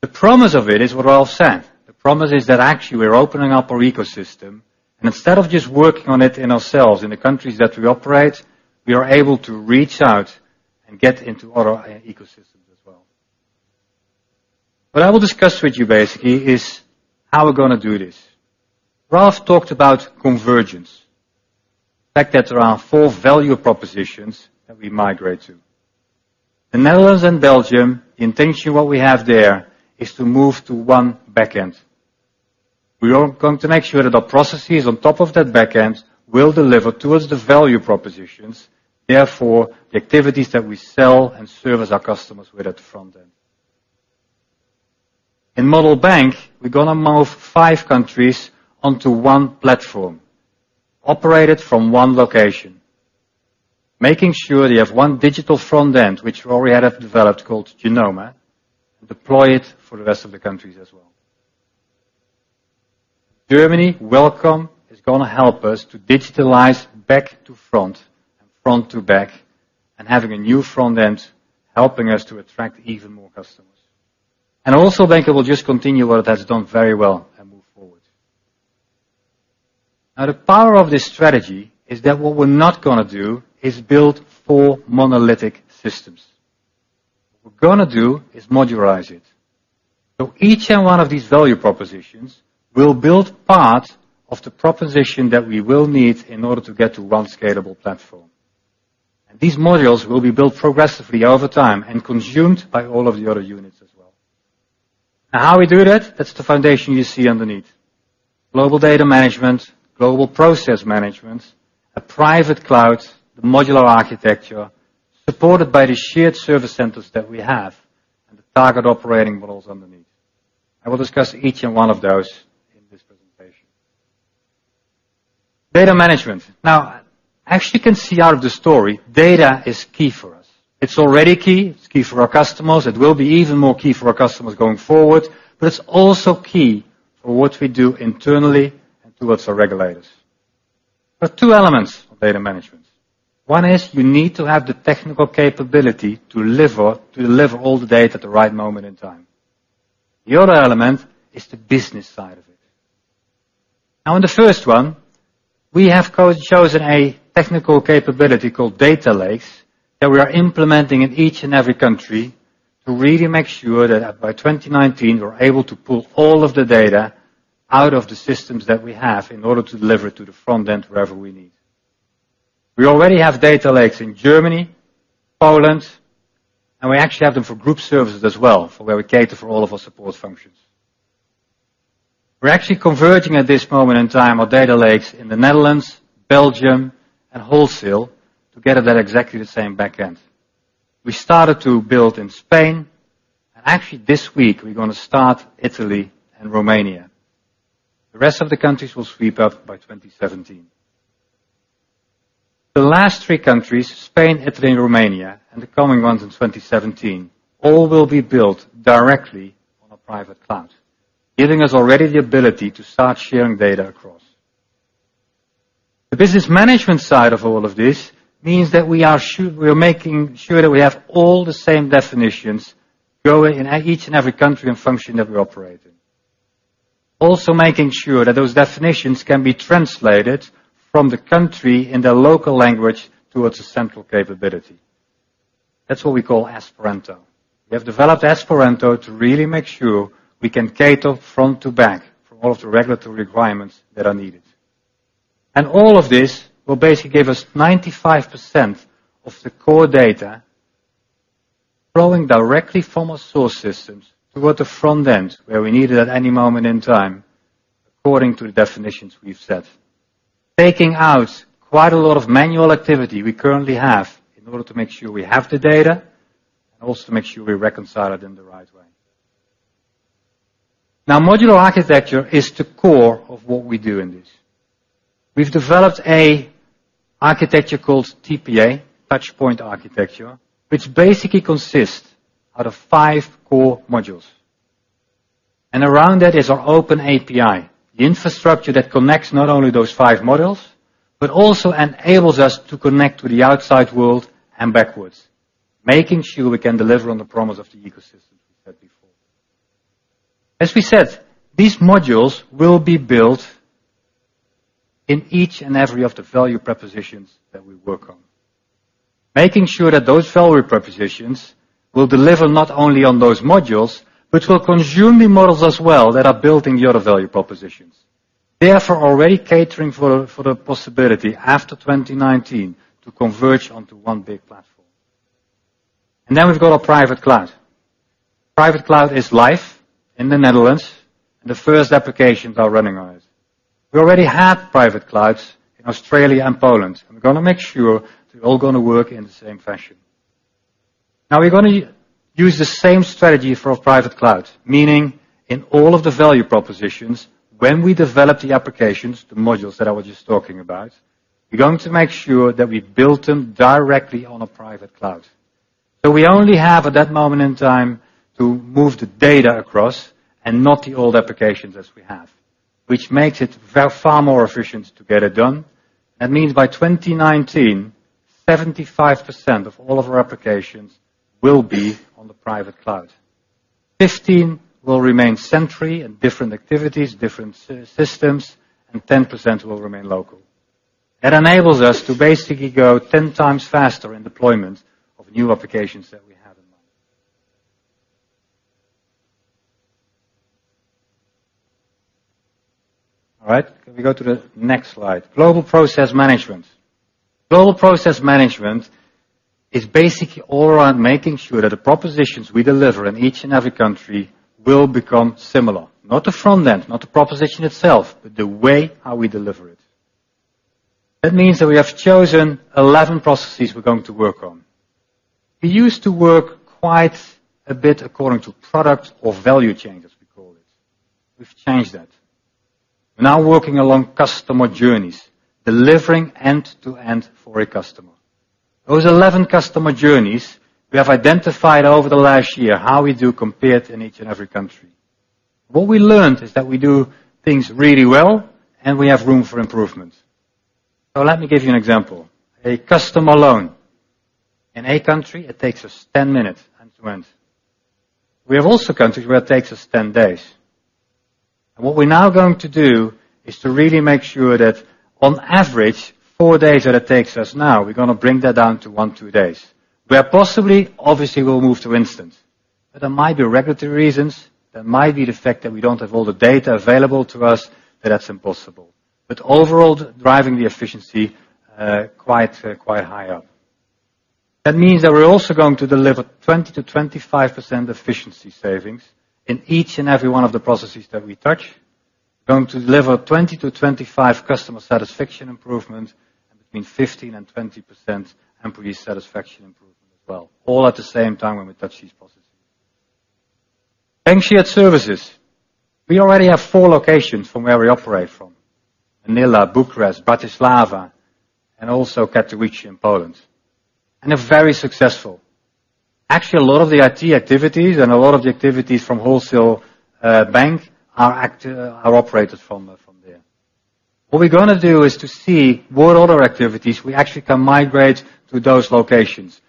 The promise of it is what Ralph said. The promise is that actually we're opening up our ecosystem. Instead of just working on it in ourselves in the countries that we operate, we are able to reach out and get into other ecosystems as well. What I will discuss with you basically is how we're going to do this. Ralph talked about convergence, the fact that there are four value propositions that we migrate to. In Netherlands and Belgium, the intention what we have there is to move to one back-end. We are going to make sure that our processes on top of that back-end will deliver towards the value propositions, therefore, the activities that we sell and service our customers with at the front-end. In Model Bank, we're going to move five countries onto one platform, operated from one location, making sure they have one digital front-end, which we already have developed called Genoma, deploy it for the rest of the countries as well. Germany, Welcome, is going to help us to digitalize back to front and front to back, having a new front-end helping us to attract even more customers. Also bank will just continue what it has done very well and move forward. The power of this strategy is that what we're not going to do is build four monolithic systems. What we're going to do is modularize it. Each and one of these value propositions will build part of the proposition that we will need in order to get to one scalable platform. These modules will be built progressively over time and consumed by all of the other units as well. How we do that's the foundation you see underneath. Global data management, global process management, a private cloud, the modular architecture, supported by the shared service centers that we have, and the Target Operating Models underneath. I will discuss each and one of those in this presentation. Data management. As you can see out of the story, data is key for us. It's already key. It's key for our customers. It will be even more key for our customers going forward, it's also key for what we do internally and towards our regulators. There are two elements of data management. One is you need to have the technical capability to deliver all the data at the right moment in time. The other element is the business side of it. In the first one, we have chosen a technical capability called data lakes that we are implementing in each and every country to really make sure that by 2019, we're able to pull all of the data out of the systems that we have in order to deliver to the front-end wherever we need. We already have data lakes in Germany, Poland, and we actually have them for group services as well, for where we cater for all of our support functions. We're actually converging at this moment in time our data lakes in the Netherlands, Belgium, and Wholesale to get at that exactly the same back-end. We started to build in Spain, actually this week, we're going to start Italy and Romania. The rest of the countries will sweep up by 2017. The last three countries, Spain, Italy, and Romania, and the coming ones in 2017, all will be built directly on a private cloud, giving us already the ability to start sharing data across. The business management side of all of this means that we are making sure that we have all the same definitions going in each and every country and function that we operate in. Also making sure that those definitions can be translated from the country in their local language towards a central capability. That's what we call Esperanto. We have developed Esperanto to really make sure we can cater front to back for all of the regulatory requirements that are needed. All of this will basically give us 95% of the core data flowing directly from our source systems toward the front-end, where we need it at any moment in time, according to the definitions we've set. Taking out quite a lot of manual activity we currently have in order to make sure we have the data, and also make sure we reconcile it in the right way. Modular architecture is the core of what we do in this. We've developed an architecture called TPA, TouchPoint Architecture, which basically consists out of five core modules. Around that is our open API, the infrastructure that connects not only those five modules, but also enables us to connect to the outside world and backwards, making sure we can deliver on the promise of the ecosystems we said before. As we said, these modules will be built in each and every of the value propositions that we work on. Making sure that those value propositions will deliver not only on those modules, but will consume the modules as well that are built in the other value propositions, therefore, already catering for the possibility after 2019 to converge onto one big platform. Then we've got our private cloud. Private cloud is live in the Netherlands, and the first applications are running on it. We already have private clouds in Australia and Poland, and we're going to make sure they're all going to work in the same fashion. We're going to use the same strategy for our private cloud, meaning in all of the value propositions, when we develop the applications, the modules that I was just talking about, we're going to make sure that we built them directly on a private cloud. So we only have at that moment in time to move the data across and not the old applications as we have, which makes it far more efficient to get it done. That means by 2019 75% of all of our applications will be on the private cloud. 15% will remain in different activities, different systems, and 10% will remain local. It enables us to basically go 10 times faster in deployment of new applications that we have in mind. All right. Can we go to the next slide? Global process management. Global process management is basically all around making sure that the propositions we deliver in each and every country will become similar. Not the front end, not the proposition itself, but the way how we deliver it. That means that we have chosen 11 processes we're going to work on. We used to work quite a bit according to product or value chain, as we call it. We've changed that. We're now working along customer journeys, delivering end-to-end for a customer. Those 11 customer journeys, we have identified over the last year how we do compared in each and every country. What we learned is that we do things really well, and we have room for improvement. So let me give you an example. A customer loan. In a country, it takes us 10 minutes end to end. We have also countries where it takes us 10 days. What we're now going to do is to really make sure that on average, four days that it takes us now, we're going to bring that down to one to two days. Where possibly, obviously, we'll move to instance. But there might be regulatory reasons, there might be the fact that we don't have all the data available to us, that that's impossible. But overall, driving the efficiency quite higher. That means that we're also going to deliver 20%-25% efficiency savings in each and every one of the processes that we touch. We're going to deliver 20-25 customer satisfaction improvement, and between 15% and 20% employee satisfaction improvement as well, all at the same time when we touch these processes. Shared services. We already have four locations from where we operate from. Manila, Bucharest, Bratislava, and also Katowice in Poland. And they're very successful. Actually, a lot of the IT activities and a lot of the activities from Wholesale Banking are operated from there. We're going to do is to see what other activities we actually can migrate to those locations.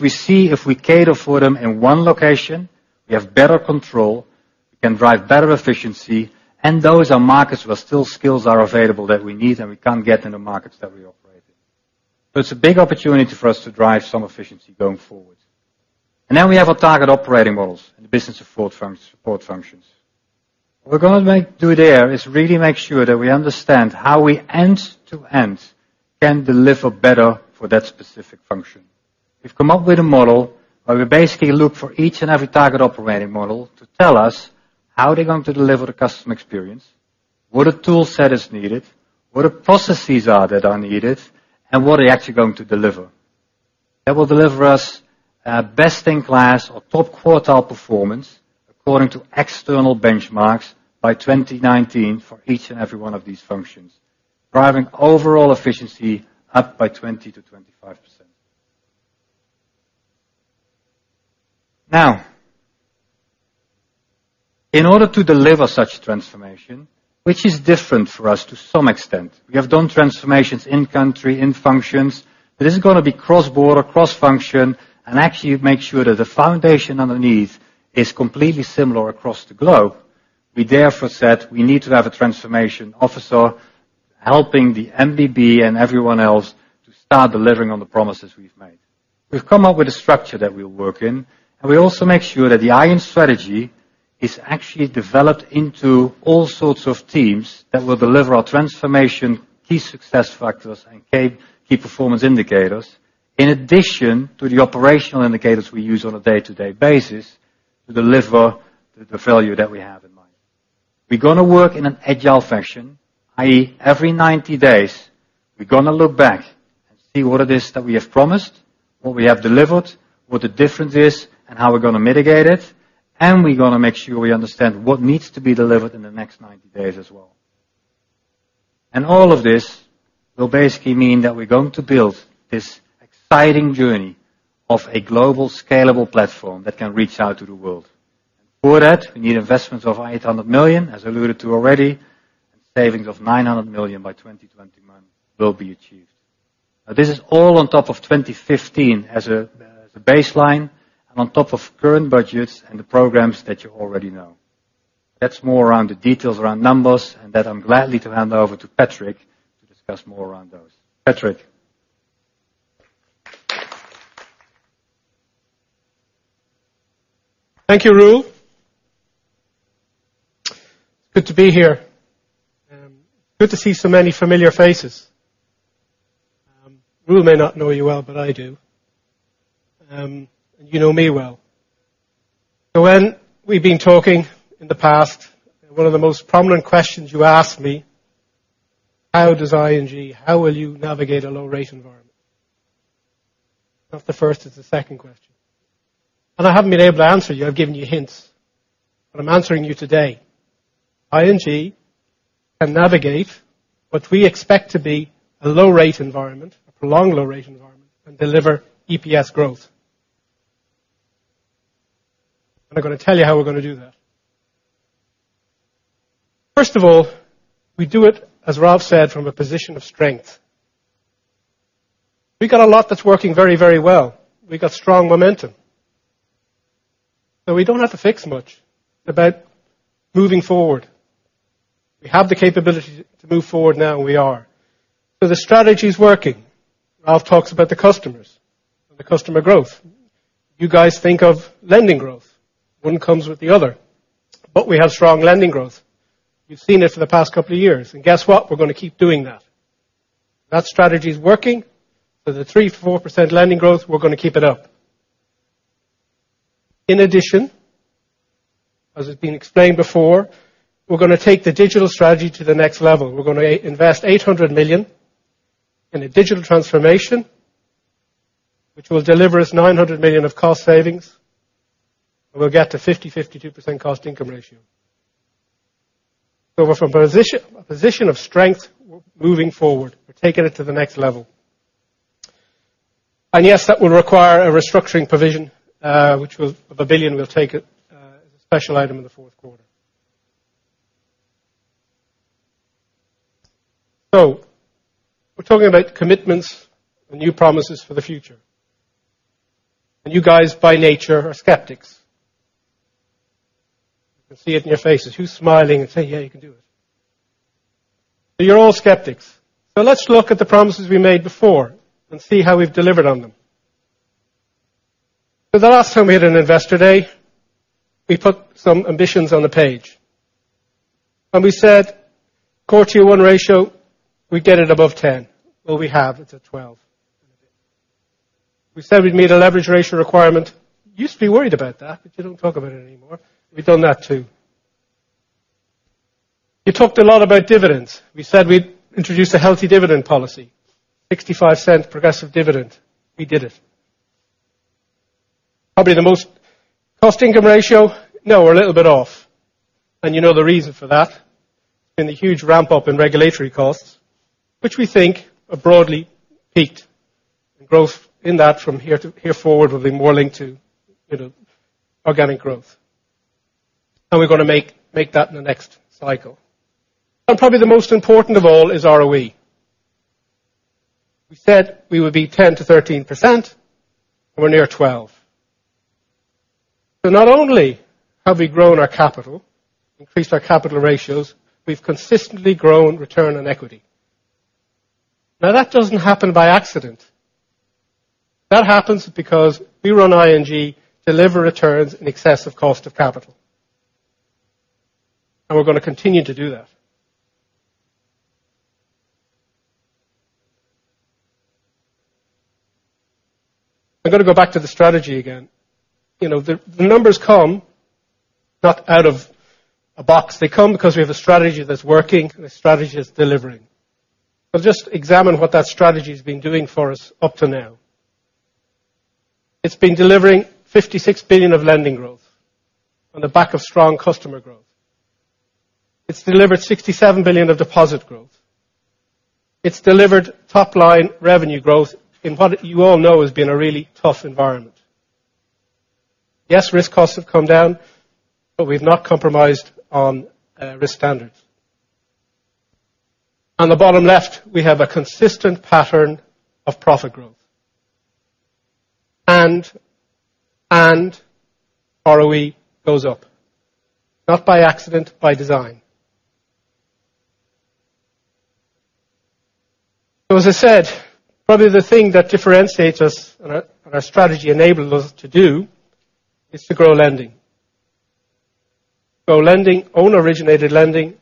We see if we cater for them in one location, we have better control, we can drive better efficiency, and those are markets where still skills are available that we need, and we can't get in the markets that we operate in. It's a big opportunity for us to drive some efficiency going forward. We have our Target Operating Models and business support functions. We're going to do there is really make sure that we understand how we end-to-end can deliver better for that specific function. We've come up with a model where we basically look for each and every Target Operating Model to tell us how they're going to deliver the customer experience, what tool set is needed, what the processes are that are needed, and what they're actually going to deliver. That will deliver us best-in-class or top quartile performance according to external benchmarks by 2019 for each and every one of these functions, driving overall efficiency up by 20%-25%. In order to deliver such transformation, which is different for us to some extent, we have done transformations in country, in functions. This is going to be cross-border, cross-function, and actually make sure that the foundation underneath is completely similar across the globe. We therefore said we need to have a transformation officer helping the MBB and everyone else to start delivering on the promises we've made. We've come up with a structure that we'll work in, we also make sure that the ING strategy is actually developed into all sorts of teams that will deliver our transformation key success factors and key performance indicators, in addition to the operational indicators we use on a day-to-day basis to deliver the value that we have in mind. We're going to work in an agile fashion, i.e., every 90 days, we're going to look back and see what it is that we have promised, what we have delivered, what the difference is, and how we're going to mitigate it. We're going to make sure we understand what needs to be delivered in the next 90 days as well. All of this will basically mean that we're going to build this exciting journey of a global scalable platform that can reach out to the world. For that, we need investments of 800 million, as alluded to already, savings of 900 million by 2021 will be achieved. This is all on top of 2015 as a baseline and on top of current budgets and the programs that you already know. That's more around the details around numbers, that I'm gladly to hand over to Patrick to discuss more around those. Patrick. Thank you, Roel. Good to be here. Good to see so many familiar faces. Roel may not know you well, but I do. You know me well. When we've been talking in the past, one of the most prominent questions you asked me, how will you navigate a low rate environment? Not the first, it's the second question. I haven't been able to answer you. I've given you hints. I'm answering you today. ING can navigate what we expect to be a low rate environment, a prolonged low rate environment, and deliver EPS growth. I'm going to tell you how we're going to do that. First of all, we do it, as Ralph said, from a position of strength. We've got a lot that's working very, very well. We've got strong momentum. We don't have to fix much about moving forward. We have the capability to move forward now, and we are. The strategy's working. Ralph talks about the customers and the customer growth. You guys think of lending growth. One comes with the other. We have strong lending growth. You've seen it for the past couple of years. Guess what? We're going to keep doing that. That strategy is working. For the 3%-4% lending growth, we're going to keep it up. In addition, as has been explained before, we're going to take the digital strategy to the next level. We're going to invest 800 million in a digital transformation, which will deliver us EUR 900 million of cost savings, and we'll get to 50%-52% cost-income ratio. We're from a position of strength moving forward. We're taking it to the next level. Yes, that will require a restructuring provision of 1 billion we'll take as a special item in the fourth quarter. We're talking about commitments and new promises for the future. You guys, by nature, are skeptics. I can see it in your faces. Who's smiling and saying, "Yeah, you can do it"? You're all skeptics. Let's look at the promises we made before and see how we've delivered on them. The last time we had an Investor Day, we put some ambitions on the page. We said, Core Tier 1 ratio, we'd get it above 10. Well, we have. It's at 12. We said we'd meet a leverage ratio requirement. You used to be worried about that, but you don't talk about it anymore. We've done that, too. You talked a lot about dividends. We said we'd introduce a healthy dividend policy, 0.65 progressive dividend. We did it. cost-income ratio, no, we're a little bit off. You know the reason for that. It's been the huge ramp-up in regulatory costs, which we think are broadly peaked. Growth in that from here forward will be more linked to organic growth. We're going to make that in the next cycle. Probably the most important of all is ROE. We said we would be 10%-13%, and we're near 12. Not only have we grown our capital, increased our capital ratios, we've consistently grown return on equity. That doesn't happen by accident. That happens because we run ING, deliver returns in excess of cost of capital. We're going to continue to do that. I'm going to go back to the strategy again. The numbers come not out of a box. They come because we have a strategy that's working, and the strategy is delivering. Just examine what that strategy's been doing for us up to now. It's been delivering 56 billion of lending growth on the back of strong customer growth. It's delivered 67 billion of deposit growth. It's delivered top-line revenue growth in what you all know has been a really tough environment. Yes, risk costs have come down, but we've not compromised on risk standards. On the bottom left, we have a consistent pattern of profit growth. ROE goes up, not by accident, by design. As I said, probably the thing that differentiates us and our strategy enables us to do is to grow lending. Grow lending, own originated lending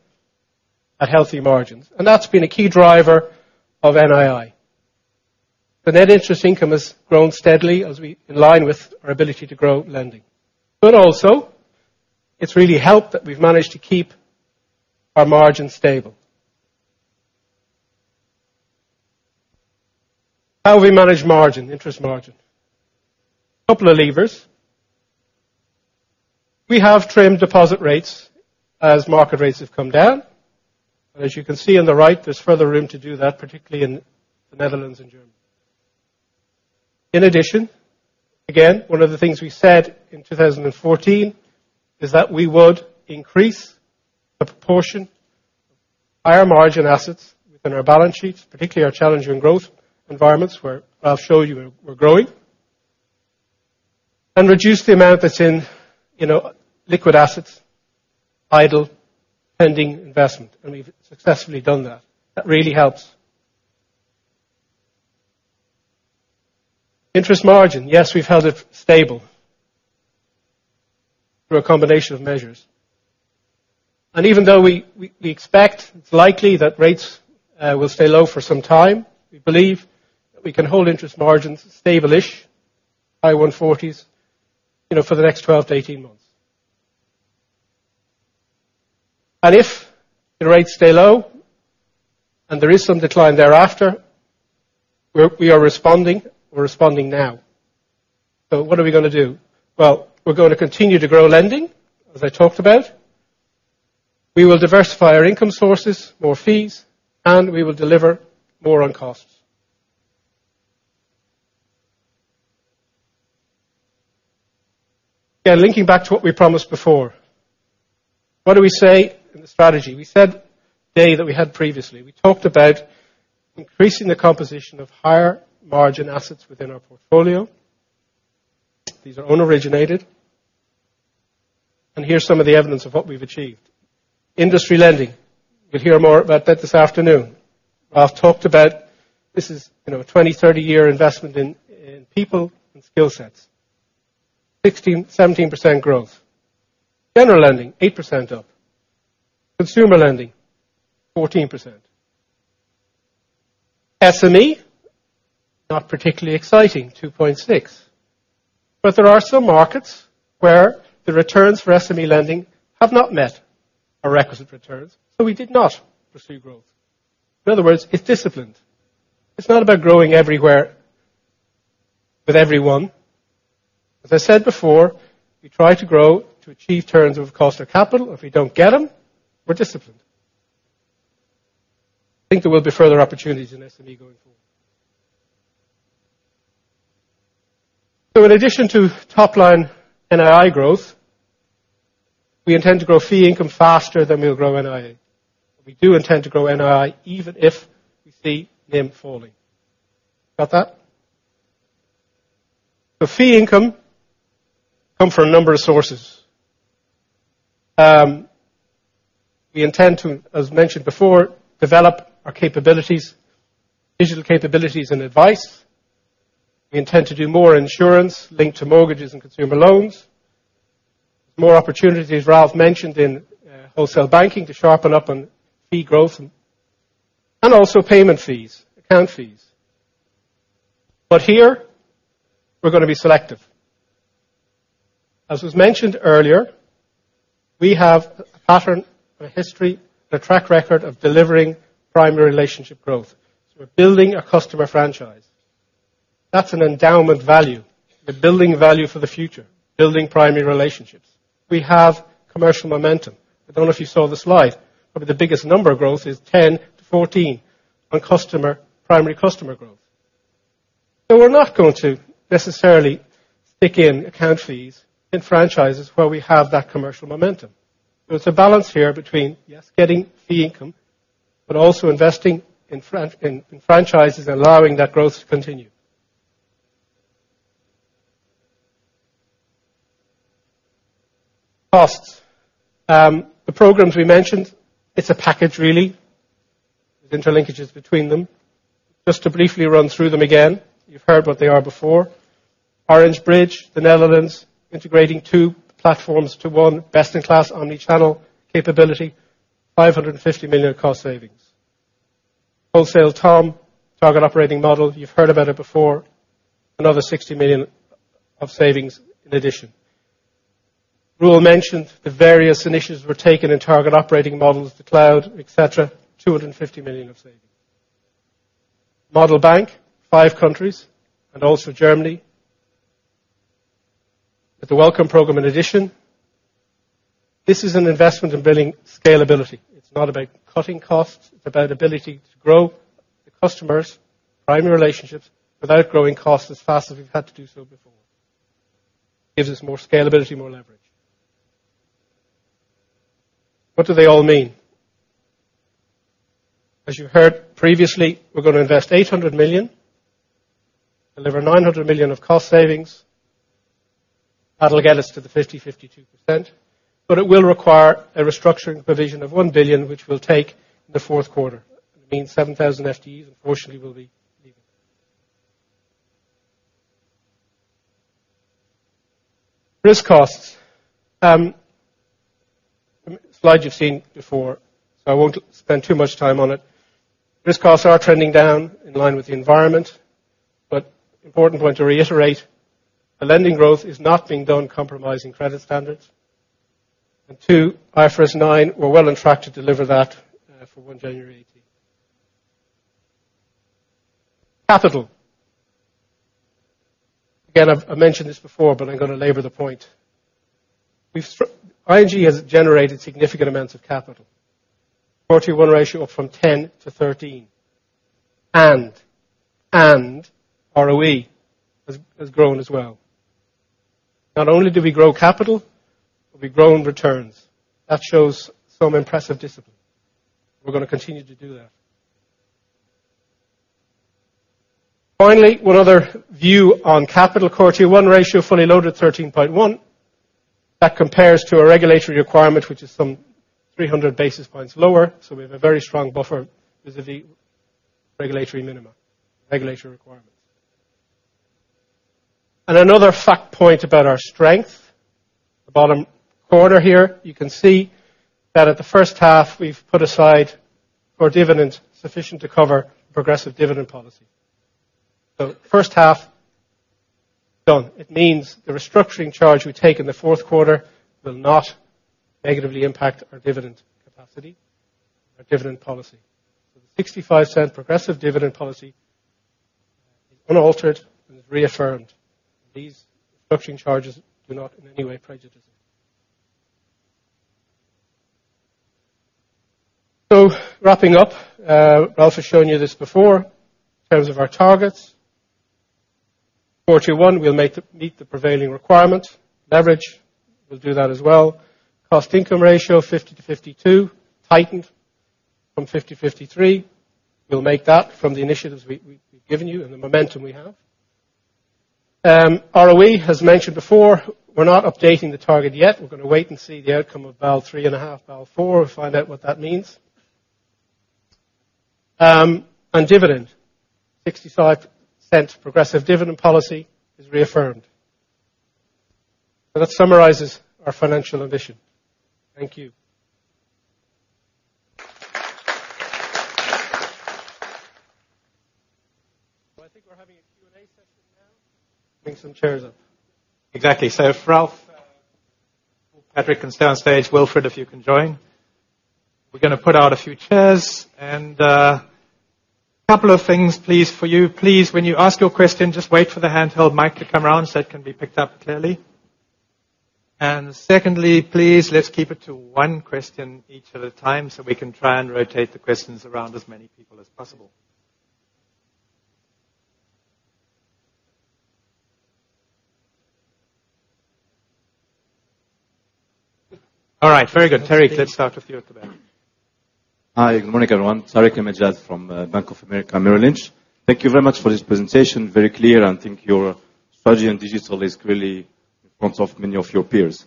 at healthy margins. That's been a key driver of NII. The net interest income has grown steadily in line with our ability to grow lending. Also, it's really helped that we've managed to keep our margin stable. How we manage margin, interest margin. Couple of levers. We have trimmed deposit rates as market rates have come down. As you can see on the right, there's further room to do that, particularly in the Netherlands and Germany. In addition, again, one of the things we said in 2014 is that we would increase the proportion of higher margin assets within our balance sheets, particularly our Challengers & Growth Markets where I'll show you we're growing, and reduce the amount that's in liquid assets, idle pending investment. We've successfully done that. That really helps. Interest margin. Yes, we've held it stable through a combination of measures. Even though we expect it's likely that rates will stay low for some time, we believe that we can hold interest margins stable-ish, high 140s, for the next 12-18 months. If the rates stay low and there is some decline thereafter, we are responding. We're responding now. What are we going to do? We're going to continue to grow lending, as I talked about. We will diversify our income sources, more fees, and we will deliver more on costs. Yeah, linking back to what we promised before. What do we say in the strategy? We talked about increasing the composition of higher margin assets within our portfolio. These are unoriginated. Here's some of the evidence of what we've achieved. Wholesale Banking. You'll hear more about that this afternoon. I've talked about this is a 20-30 year investment in people and skill sets. 16%-17% growth. General lending, 8% up. Consumer lending, 14%. SME, not particularly exciting, 2.6%. There are some markets where the returns for SME lending have not met our requisite returns, so we did not pursue growth. In other words, it's disciplined. It's not about growing everywhere with everyone. As I said before, we try to grow to achieve terms of cost of capital. If we don't get them, we're disciplined. I think there will be further opportunities in SME going forward. In addition to top-line NII growth, we intend to grow fee income faster than we'll grow NII. We do intend to grow NII, even if we see NIM falling. Got that? The fee income come from a number of sources. We intend to, as mentioned before, develop our capabilities, digital capabilities and advice. We intend to do more insurance linked to mortgages and consumer loans. More opportunities Ralph mentioned in Wholesale Banking to sharpen up on fee growth, also payment fees, account fees. Here, we're going to be selective. As was mentioned earlier, we have a pattern, a history, a track record of delivering primary relationship growth. We're building a customer franchise. That's an endowment value. We're building value for the future, building primary relationships. We have commercial momentum. I don't know if you saw the slide, but the biggest number growth is 10 to 14 on primary customer growth. We're not going to necessarily stick in account fees in franchises where we have that commercial momentum. It's a balance here between, yes, getting fee income, but also investing in franchises and allowing that growth to continue. Costs. The programs we mentioned, it's a package really. There's interlinkages between them. Just to briefly run through them again, you've heard what they are before. Orange Bridge, the Netherlands, integrating two platforms to one best-in-class omni-channel capability, 550 million cost savings. Wholesale Banking TOM, Target Operating Model, you've heard about it before, another 60 million of savings in addition. Roel mentioned the various initiatives were taken in Target Operating Models, the cloud, et cetera, 250 million of savings. Model Bank, five countries, and also Germany. With the Welcome program in addition. This is an investment in building scalability. It's not about cutting costs, it's about ability to grow the customers, primary relationships, without growing costs as fast as we've had to do so before. Gives us more scalability, more leverage. What do they all mean? As you heard previously, we're going to invest 800 million, deliver 900 million of cost savings. That'll get us to the 50%-52%, but it will require a restructuring provision of 1 billion, which we'll take the fourth quarter. It means 7,000 FTEs, unfortunately, will be leaving. Risk costs. A slide you've seen before, so I won't spend too much time on it. Risk costs are trending down in line with the environment, but important point to reiterate, the lending growth is not being done compromising credit standards. Two, IFRS 9, we're well on track to deliver that for 1 January 2018. Capital. Again, I've mentioned this before, but I'm going to labor the point. ING has generated significant amounts of capital. Core Tier 1 ratio up from 10 to 13. ROE has grown as well. Not only do we grow capital, but we've grown returns. That shows some impressive discipline. We're going to continue to do that. Finally, one other view on capital Core Tier 1 ratio, fully loaded 13.1%. That compares to our regulatory requirement, which is some 300 basis points lower. We have a very strong buffer vis-à-vis regulatory minimum, regulatory requirements. Another fact point about our strength, the bottom quarter here, you can see that at the first half we've put aside for dividend sufficient to cover progressive dividend policy. The first half done. It means the restructuring charge we take in the fourth quarter will not negatively impact our dividend capacity, our dividend policy. The 0.65 progressive dividend policy is unaltered and is reaffirmed. These restructuring charges do not in any way prejudice it. Wrapping up, Ralph has shown you this before in terms of our targets. 421, we'll meet the prevailing requirement. Leverage, we'll do that as well. Cost income ratio, 50%-52%, tightened from 50%/53%. We'll make that from the initiatives we've given you and the momentum we have. ROE, as mentioned before, we're not updating the target yet. We're going to wait and see the outcome of Basel 3.5, Basel 4, and find out what that means. Dividend, 0.65 progressive dividend policy is reaffirmed. That summarizes our financial ambition. Thank you. I think we're having a Q&A session now. Bring some chairs up. Exactly. Ralph, Patrick can stay on stage. Wilfred, if you can join. We're going to put out a few chairs. A couple of things please for you. Please, when you ask your question, just wait for the handheld mic to come around so it can be picked up clearly. Secondly, please, let's keep it to one question each at a time so we can try and rotate the questions around as many people as possible. All right. Very good. Tarik, let's start with you at the back. Hi, good morning, everyone. Tarik El Mejjad from Bank of America Merrill Lynch. Thank you very much for this presentation. Very clear, and I think your strategy in digital is really in front of many of your peers.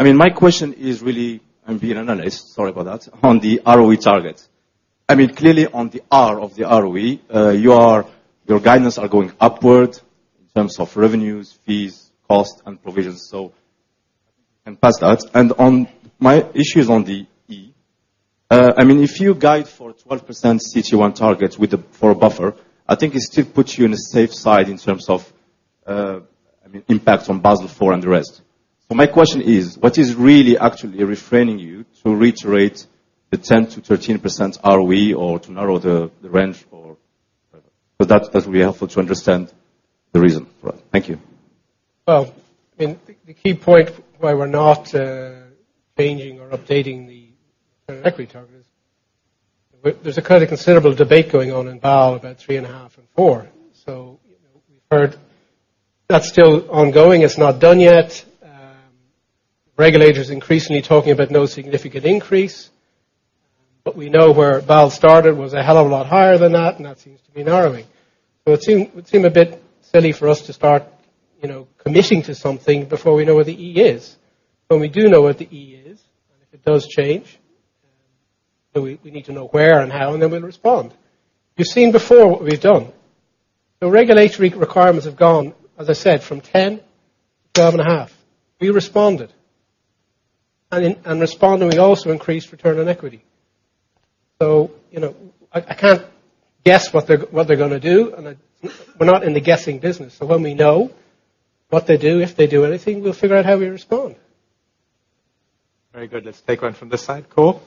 My question is really, I'm being analyzed, sorry about that, on the ROE target. Clearly on the R of the ROE, your guidance are going upward in terms of revenues, fees, cost, and provisions, so can pass that. My issue is on the E. If you guide for 12% CT1 targets for a buffer, I think it still puts you in a safe side in terms of, impact on Basel IV and the rest. My question is, what is really actually refraining you to reiterate the 10%-13% ROE or to narrow the range for Because that would be helpful to understand the reason for it. Thank you. The key point why we're not changing or updating the current equity target is there's a kind of considerable debate going on in Basel about 3.5 and 4. We've heard that's still ongoing. It's not done yet. Regulators increasingly talking about no significant increase. We know where Basel started was a hell of a lot higher than that, and that seems to be narrowing. It'd seem a bit silly for us to start committing to something before we know where the E is. When we do know where the E is, and if it does change, then we need to know where and how, and then we'll respond. You've seen before what we've done. The regulatory requirements have gone, as I said, from 10 to 12.5. We responded. In responding, we also increased return on equity. I can't guess what they're going to do, and we're not in the guessing business. When we know what they do, if they do anything, we'll figure out how we respond. Very good. Let's take one from this side. Cole.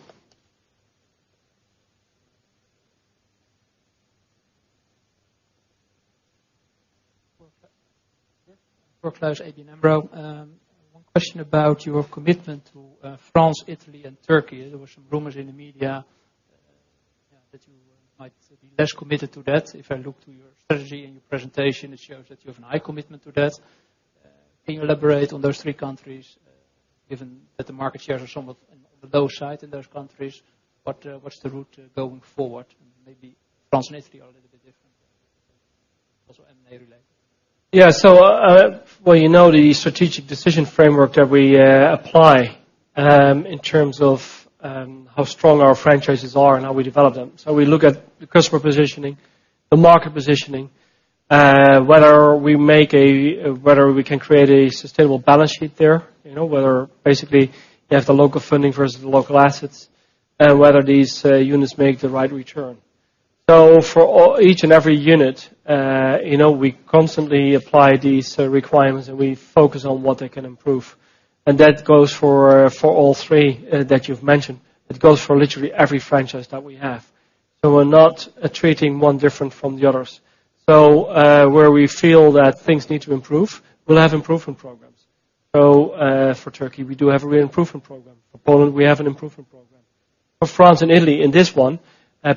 Cole ABN AMRO. One question about your commitment to France, Italy, and Turkey. There were some rumors in the media that you might be less committed to that. If I look to your strategy and your presentation, it shows that you have a high commitment to that. Can you elaborate on those three countries, given that the market shares are somewhat on the low side in those countries? What's the route going forward? Maybe France and Italy are a little bit different. Also M&A related. You know the strategic decision framework that we apply, in terms of how strong our franchises are and how we develop them. We look at the customer positioning, the market positioning, whether we can create a sustainable balance sheet there. Whether basically you have the local funding versus the local assets, and whether these units make the right return. For each and every unit, we constantly apply these requirements, and we focus on what they can improve. And that goes for all three that you've mentioned. It goes for literally every franchise that we have. We're not treating one different from the others. Where we feel that things need to improve, we'll have improvement programs. For Turkey, we do have a real improvement program. For Poland, we have an improvement program. For France and Italy, in this one,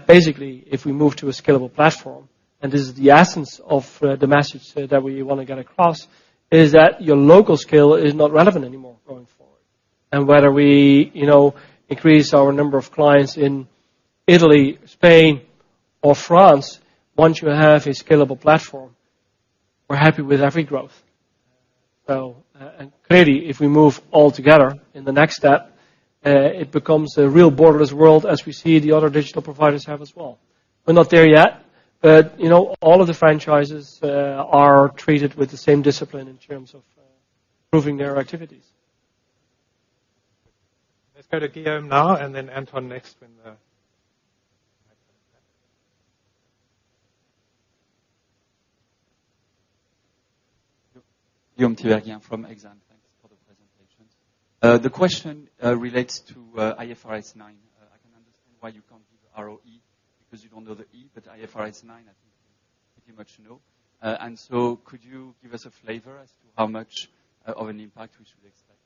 basically, if we move to a scalable platform, this is the essence of the message that we want to get across, is that your local scale is not relevant anymore going forward. Whether we increase our number of clients in Italy, Spain, or France, once you have a scalable platform, we're happy with every growth. Clearly, if we move all together in the next step, it becomes a real borderless world as we see the other digital providers have as well. We're not there yet, all of the franchises are treated with the same discipline in terms of improving their activities. Let's go to Guillaume now. Then Anton next when the mic comes back. Guillaume Tiberghien here from Exane. Thanks for the presentations. The question relates to IFRS 9. I can understand why you can't give the ROE because you don't know the E, IFRS 9, I think- Pretty much, no. Could you give us a flavor as to how much of an impact we should expect?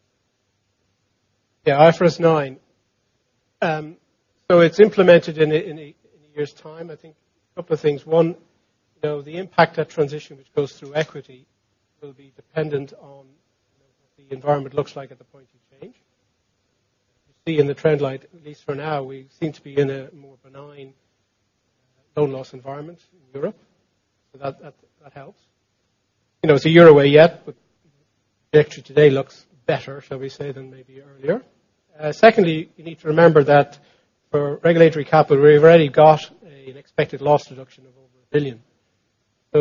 IFRS 9. It's implemented in a year's time. I think a couple of things. One, the impact that transition, which goes through equity, will be dependent on what the environment looks like at the point of change. You see in the trend line, at least for now, we seem to be in a more benign, low loss environment in Europe. That helps. It's a year away yet, but actually today looks better, shall we say, than maybe earlier. Secondly, you need to remember that for regulatory capital, we've already got an expected loss reduction of over 1 billion.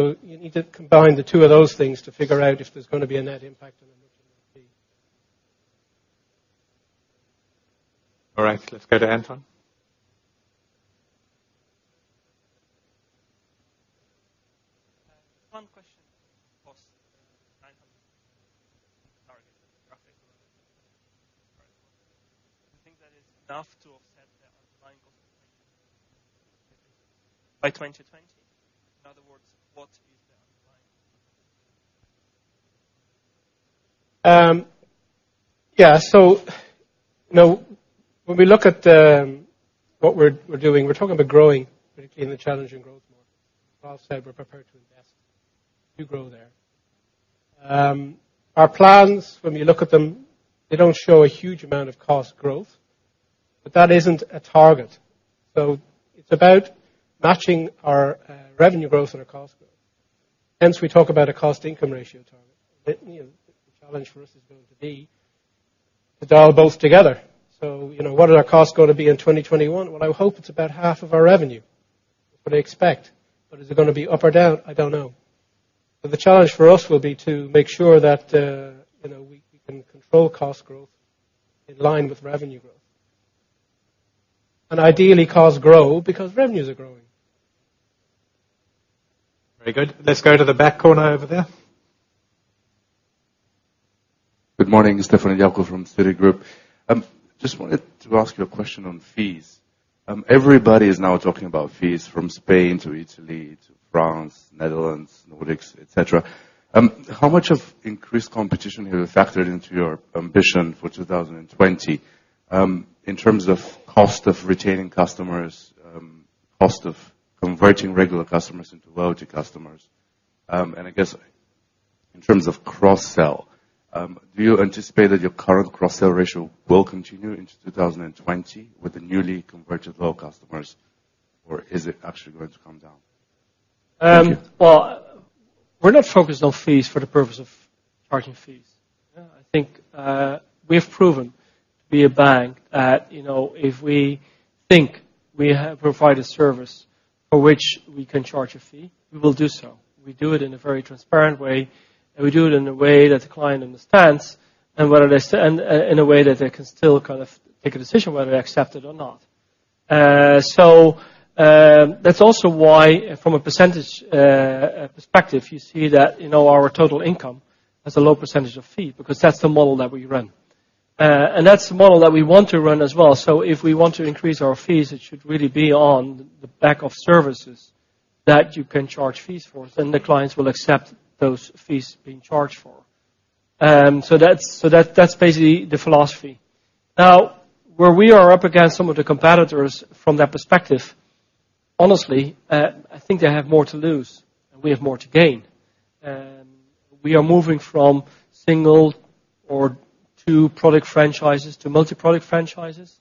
You need to combine the two of those things to figure out if there's going to be a net impact on them, which there might be. All right. Let's go to Anton. One question. Cost target. Do you think that is enough to offset the underlying cost by 2020? In other words, what is the underlying? When we look at what we're doing, we're talking about growing, particularly in the Challengers & Growth Markets. As Ralph said, we're prepared to invest, to grow there. Our plans, when we look at them, they don't show a huge amount of cost growth, but that isn't a target. It's about matching our revenue growth and our cost growth. Hence, we talk about a cost-income ratio target. The challenge for us is going to be to dial both together. What are our costs going to be in 2021? Well, I would hope it's about half of our revenue. That's what I expect. Is it going to be up or down? I don't know. The challenge for us will be to make sure that we can control cost growth in line with revenue growth. Ideally, costs grow because revenues are growing. Very good. Let's go to the back corner over there. Good morning. Stephan Jacco from Citigroup. Just wanted to ask you a question on fees. Everybody is now talking about fees, from Spain to Italy to France, Netherlands, Nordics, et cetera. How much of increased competition have you factored into your ambition for 2020, in terms of cost of retaining customers, cost of converting regular customers into loyalty customers? I guess, in terms of cross-sell, do you anticipate that your current cross-sell ratio will continue into 2020 with the newly converted loyal customers? Or is it actually going to come down? Thank you. Well, we're not focused on fees for the purpose of charging fees. I think we have proven to be a bank that if we think we have provided service for which we can charge a fee, we will do so. We do it in a very transparent way, and we do it in a way that the client understands and in a way that they can still take a decision whether they accept it or not. That's also why, from a percentage perspective, you see that our total income has a low percentage of fee, because that's the model that we run. That's the model that we want to run as well. If we want to increase our fees, it should really be on the back of services that you can charge fees for. The clients will accept those fees being charged for. That's basically the philosophy. Now, where we are up against some of the competitors from that perspective, honestly, I think they have more to lose, and we have more to gain. We are moving from single or two-product franchises to multi-product franchises.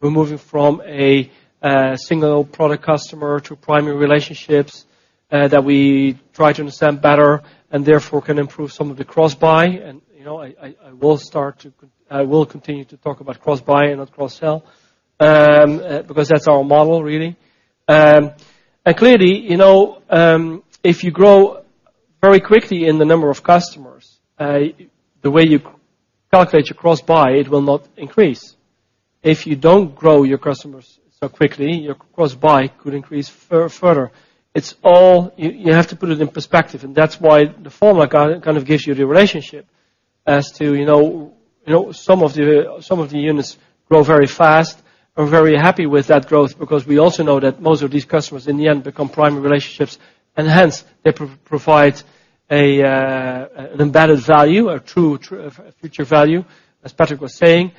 We're moving from a single-product customer to primary relationships that we try to understand better and therefore can improve some of the cross-buy. I will continue to talk about cross-buy and not cross-sell, because that's our model, really. Clearly, if you grow very quickly in the number of customers, the way you calculate your cross-buy, it will not increase. If you don't grow your customers so quickly, your cross-buy could increase further. You have to put it in perspective, and that's why the formula kind of gives you the relationship as to some of the units grow very fast. We're very happy with that growth because we also know that most of these customers, in the end, become primary relationships. Hence, they provide an embedded value, a true future value, as Patrick was saying.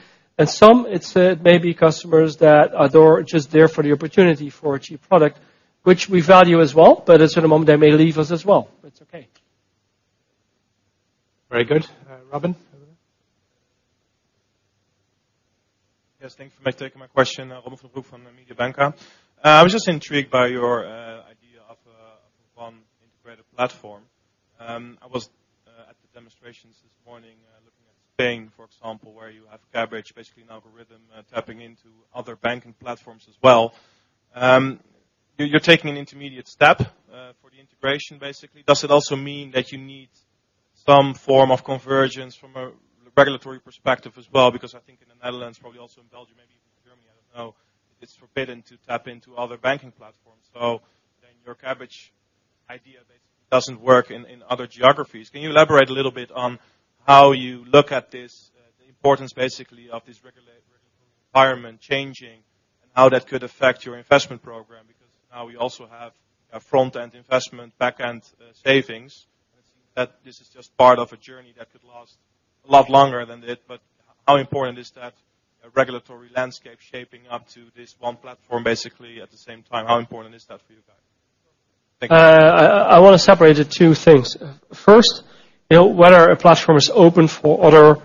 Some, it may be customers that are just there for the opportunity for a cheap product, which we value as well, but at a certain moment they may leave us as well, but it's okay. Very good. Robin. Yes, thank you for taking my question. Robin van den Broek from Mediobanca. I was just intrigued by your idea of one integrated platform. I was at the demonstrations this morning, looking at Spain, for example, where you have Kabbage, basically an algorithm tapping into other banking platforms as well. You're taking an intermediate step for the integration, basically. Does it also mean that you need some form of convergence from a regulatory perspective as well? Because I think in the Netherlands, probably also in Belgium, maybe even Germany, I don't know, it's forbidden to tap into other banking platforms. Your Kabbage idea basically doesn't work in other geographies. Can you elaborate a little bit on how you look at this importance basically of this regulatory environment changing and how that could affect your investment program, because now we also have a front-end investment, back-end savings. It seems that this is just part of a journey that could last a lot longer than that, how important is that regulatory landscape shaping up to this one platform basically at the same time? How important is that for you guys? Thank you. I want to separate the two things. First, whether a platform is open for other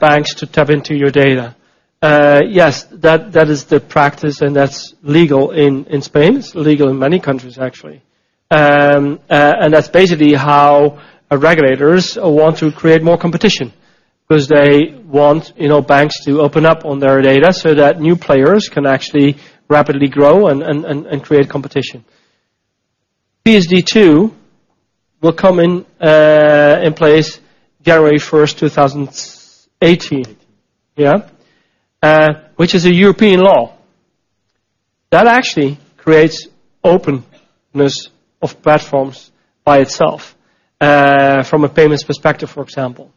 banks to tap into your data. Yes, that is the practice, and that's legal in Spain. It's legal in many countries actually. That's basically how regulators want to create more competition, because they want banks to open up on their data so that new players can actually rapidly grow and create competition. PSD2 will come in place January 1st, 2018. 2018. Yeah. Which is a European law. That actually creates openness of platforms by itself, from a payments perspective, for example.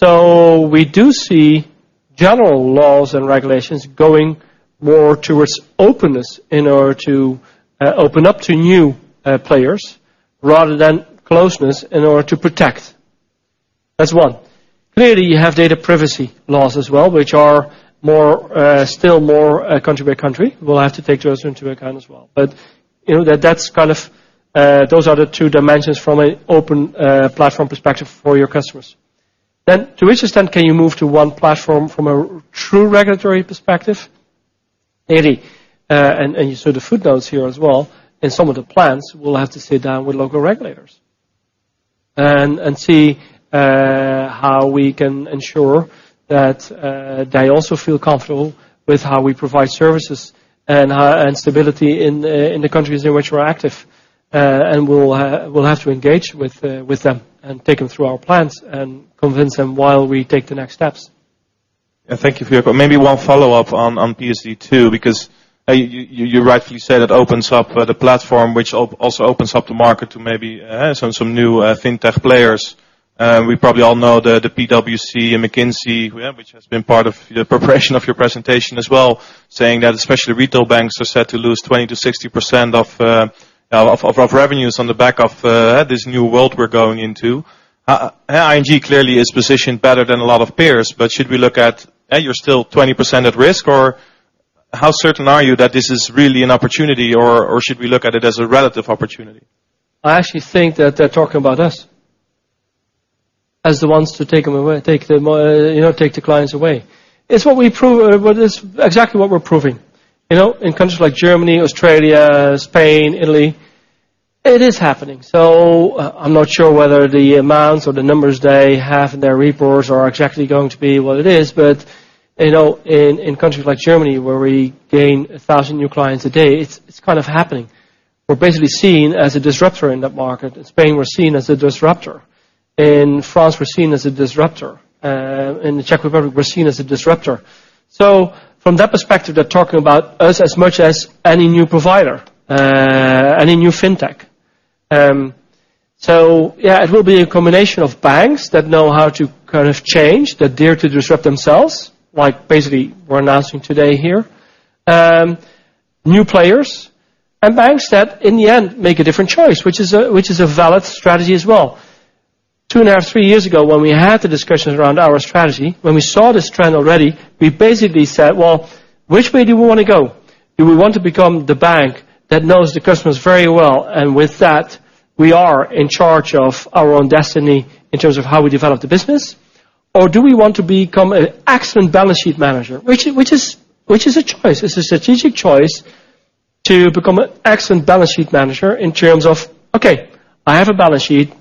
We do see general laws and regulations going more towards openness in order to open up to new players, rather than closeness in order to protect. That's one. Clearly, you have data privacy laws as well, which are still more country by country. We'll have to take those into account as well. Those are the two dimensions from an open platform perspective for your customers. To which extent can you move to one platform from a true regulatory perspective? Really, you saw the footnotes here as well, some of the plans will have to sit down with local regulators and see how we can ensure that they also feel comfortable with how we provide services and stability in the countries in which we're active. We'll have to engage with them and take them through our plans and convince them while we take the next steps. Yeah. Thank you, Ralph. Maybe one follow-up on PSD2, because you rightly said it opens up the platform, which also opens up the market to maybe some new FinTech players. We probably all know the PwC and McKinsey, which has been part of the preparation of your presentation as well, saying that especially retail banks are set to lose 20%-60% of revenues on the back of this new world we're going into. ING clearly is positioned better than a lot of peers, should we look at, you're still 20% at risk, or how certain are you that this is really an opportunity, or should we look at it as a relative opportunity? I actually think that they're talking about us as the ones to take the clients away. It's exactly what we're proving. In countries like Germany, Australia, Spain, Italy, it is happening. I'm not sure whether the amounts or the numbers they have in their reports are exactly going to be what it is. In countries like Germany, where we gain 1,000 new clients a day, it's kind of happening. We're basically seen as a disruptor in that market. In Spain, we're seen as a disruptor. In France, we're seen as a disruptor. In the Czech Republic, we're seen as a disruptor. From that perspective, they're talking about us as much as any new provider, any new FinTech. It will be a combination of banks that know how to change, that dare to disrupt themselves, like basically we're announcing today here. New players and banks that in the end make a different choice, which is a valid strategy as well. Two and a half, three years ago, when we had the discussions around our strategy, when we saw this trend already, we basically said, "Well, which way do we want to go? Do we want to become the bank that knows the customers very well, and with that, we are in charge of our own destiny in terms of how we develop the business? Do we want to become an excellent balance sheet manager?" Which is a choice. It's a strategic choice to become an excellent balance sheet manager in terms of, okay, I have a balance sheet.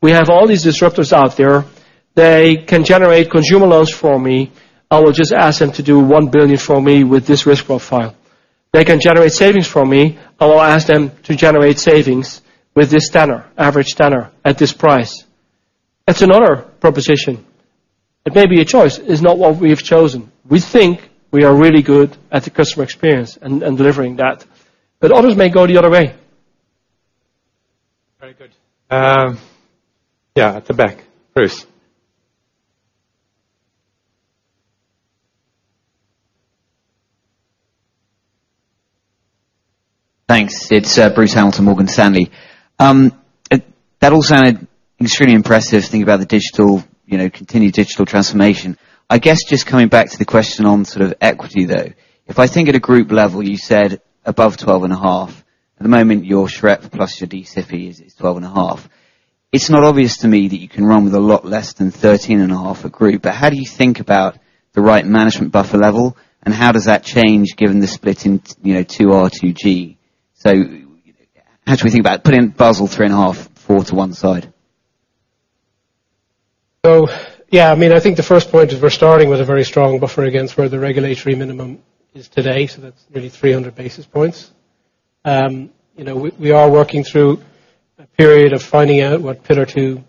We have all these disruptors out there. They can generate consumer loans for me. I will just ask them to do 1 billion for me with this risk profile. They can generate savings for me. I will ask them to generate savings with this tenor, average tenor, at this price. That's another proposition. It may be a choice. It's not what we've chosen. We think we are really good at the customer experience and delivering that. Others may go the other way. Very good. Yeah, at the back. Bruce. Thanks. It is Bruce Hamilton, Morgan Stanley. That all sounded extremely impressive, thinking about the continued digital transformation. I guess just coming back to the question on sort of equity, though. If I think at a group level, you said above 12.5. At the moment, your SREP plus your D-SIB is 12.5. It is not obvious to me that you can run with a lot less than 13.5 a group, but how do you think about the right management buffer level, and how does that change given the split in P2R, P2G? How should we think about putting Basel 3.5, 4 to one side? Yeah, I think the first point is we are starting with a very strong buffer against where the regulatory minimum is today, so that is nearly 300 basis points. We are working through a period of finding out what Pillar 2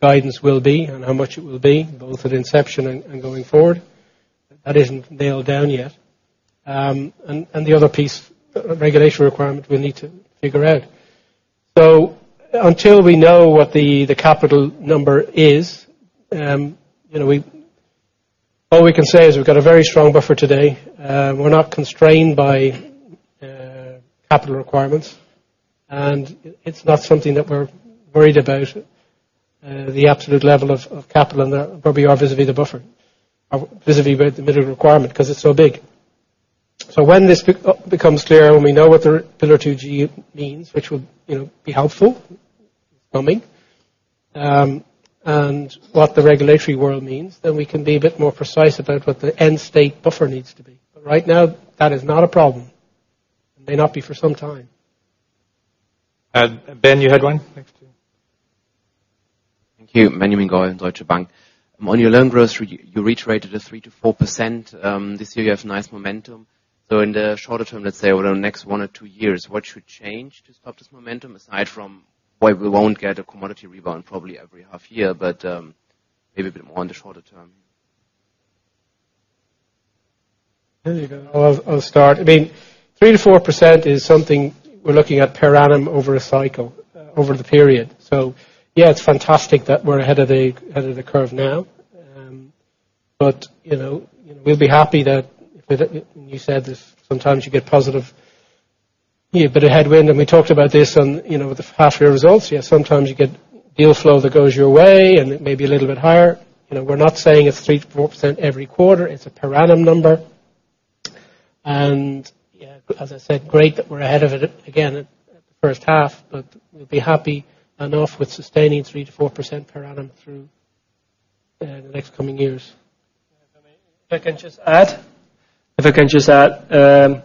Guidance will be and how much it will be, both at inception and going forward. That is not nailed down yet. The other piece, regulation requirement, we will need to figure out Until we know what the capital number is, all we can say is we have got a very strong buffer today. We are not constrained by capital requirements, and it is not something that we are worried about, the absolute level of capital, and probably are vis-à-vis the buffer. Vis-à-vis the minimum requirement, because it is so big. When this becomes clear, when we know what the Pillar 2G means, which will be helpful, it is coming. What the regulatory world means, then we can be a bit more precise about what the end state buffer needs to be. Right now, that is not a problem. It may not be for some time. Ben, you had one? Next to you. Thank you. Benjamin Goy, Deutsche Bank. On your loan growth, you reiterated a 3%-4%. This year you have nice momentum. In the shorter term, let's say over the next one or two years, what should change to stop this momentum, aside from why we won't get a commodity rebound probably every half year, but maybe a bit more on the shorter term? There you go. I'll start. 3%-4% is something we're looking at per annum over a cycle, over the period. Yeah, it's fantastic that we're ahead of the curve now. We'll be happy that, you said this, sometimes you get positive, but a headwind, and we talked about this on the half-year results. Sometimes you get deal flow that goes your way, and it may be a little bit higher. We're not saying it's 3%-4% every quarter, it's a per annum number. Yeah, as I said, great that we're ahead of it again at the first half, but we'll be happy enough with sustaining 3%-4% per annum through the next coming years. If I can just add.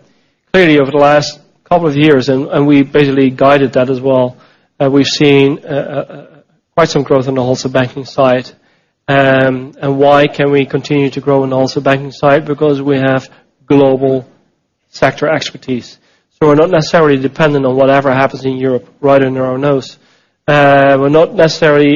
Clearly over the last couple of years, and we basically guided that as well, we've seen quite some growth in the Wholesale Banking side. Why can we continue to grow in the Wholesale Banking side? Because we have global sector expertise. We're not necessarily dependent on whatever happens in Europe, right under our nose. We're not necessarily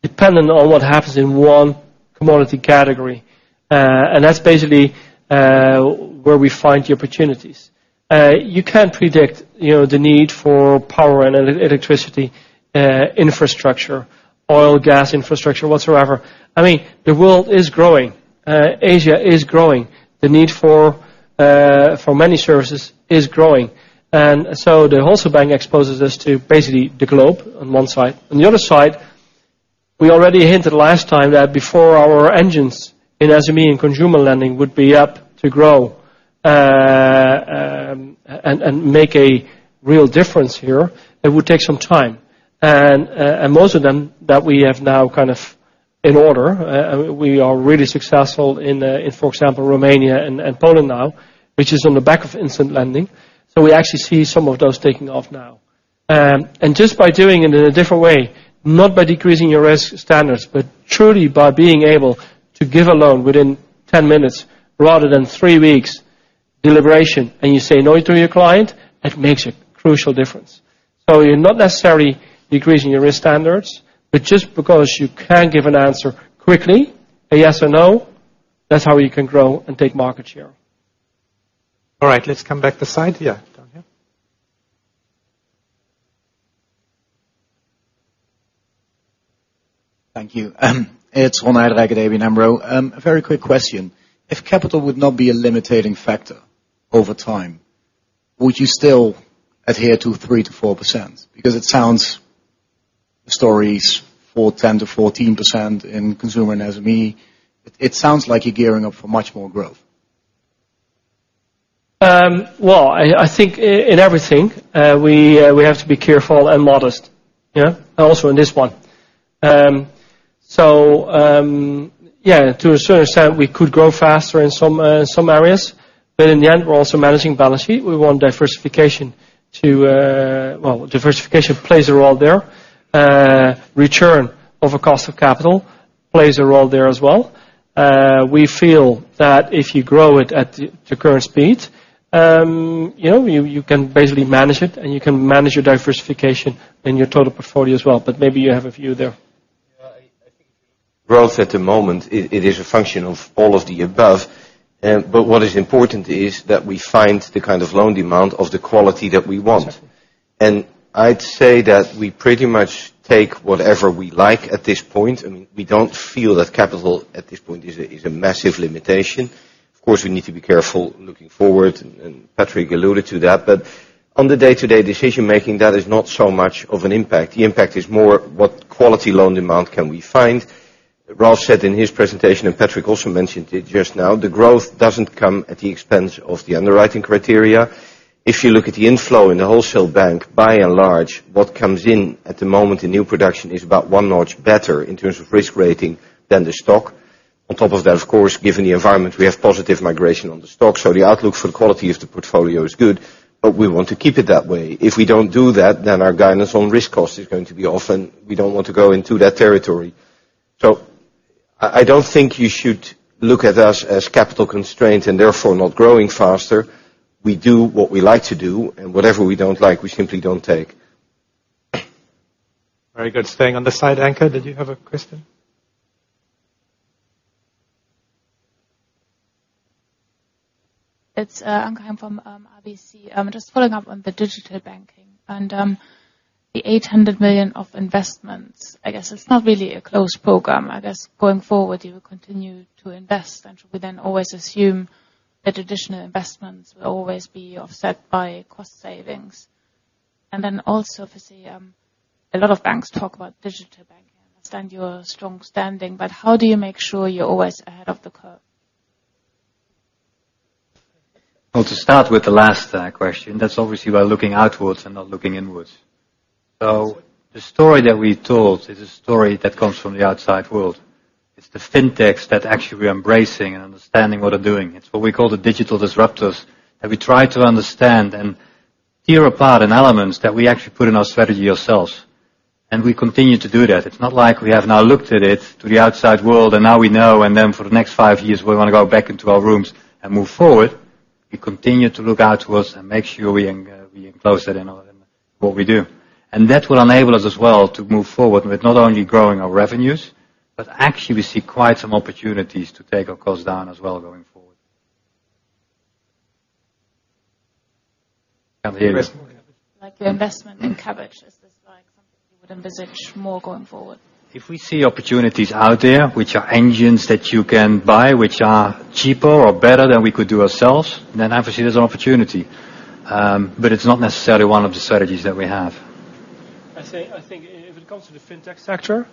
dependent on what happens in one commodity category. That's basically where we find the opportunities. You can't predict the need for power and electricity infrastructure, oil, gas infrastructure, whatsoever. I mean, the world is growing. Asia is growing. The need for many services is growing. The Wholesale Banking exposes us to basically the globe on one side. On the other side, we already hinted last time that before our engines in SME and consumer lending would be up to grow, and make a real difference here, it would take some time. Most of them that we have now kind of in order, we are really successful in, for example, Romania and Poland now, which is on the back of instant lending. We actually see some of those taking off now. Just by doing it in a different way, not by decreasing your risk standards. Truly by being able to give a loan within 10 minutes rather than three weeks' deliberation, and you say no to your client, it makes a crucial difference. You're not necessarily decreasing your risk standards, but just because you can give an answer quickly, a yes or no, that's how you can grow and take market share. All right. Let's come back this side. Yeah. Down here. Thank you. It's Ronald Rague, ABN AMRO. A very quick question. If capital would not be a limiting factor over time, would you still adhere to 3%-4%? It sounds stories for 10%-14% in consumer and SME. It sounds like you're gearing up for much more growth. I think in everything, we have to be careful and modest. Also in this one. To a certain extent, we could grow faster in some areas. In the end, we're also managing balance sheet. We want diversification. Diversification plays a role there. Return over cost of capital plays a role there as well. We feel that if you grow it at the current speed, you can basically manage it, and you can manage your diversification in your total portfolio as well. Maybe you have a view there. Yeah. I think growth at the moment, it is a function of all of the above. What is important is that we find the kind of loan demand of the quality that we want. Exactly. I'd say that we pretty much take whatever we like at this point, and we don't feel that capital at this point is a massive limitation. Of course, we need to be careful looking forward, Patrick alluded to that. On the day-to-day decision making, that is not so much of an impact. The impact is more what quality loan demand can we find. Ralph said in his presentation, Patrick also mentioned it just now, the growth doesn't come at the expense of the underwriting criteria. If you look at the inflow in the Wholesale Banking, by and large, what comes in at the moment in new production is about one notch better in terms of risk rating than the stock. On top of that, of course, given the environment, we have positive migration on the stock. The outlook for the quality of the portfolio is good. We want to keep it that way. If we don't do that, our guidance on risk cost is going to be off, and we don't want to go into that territory. I don't think you should look at us as capital constrained and therefore not growing faster. We do what we like to do, and whatever we don't like, we simply don't take. Very good. Staying on this side, Anke, did you have a question? It's Anke from RBC. Just following up on the digital banking and the 800 million of investments. I guess it's not really a closed program. I guess going forward, you will continue to invest, should we then always assume that additional investments will always be offset by cost savings? Then also, obviously, a lot of banks talk about digital banking. I understand your strong standing, but how do you make sure you're always ahead of the curve? To start with the last question, that's obviously by looking outwards and not looking inwards. The story that we told is a story that comes from the outside world. It's the fintechs that actually we're embracing and understanding what they're doing. It's what we call the digital disruptors, that we try to understand and hear about, and elements that we actually put in our strategy ourselves. We continue to do that. It's not like we have now looked at it, to the outside world, and now we know, for the next five years, we want to go back into our rooms and move forward. We continue to look outwards and make sure we enclose that in what we do. That will enable us as well to move forward with not only growing our revenues, but actually we see quite some opportunities to take our costs down as well going forward. Investment Like the investment in Kabbage. Is this like something you would envisage more going forward? If we see opportunities out there, which are engines that you can buy, which are cheaper or better than we could do ourselves, obviously there's an opportunity. It's not necessarily one of the strategies that we have. I think if it comes to the fintech sector,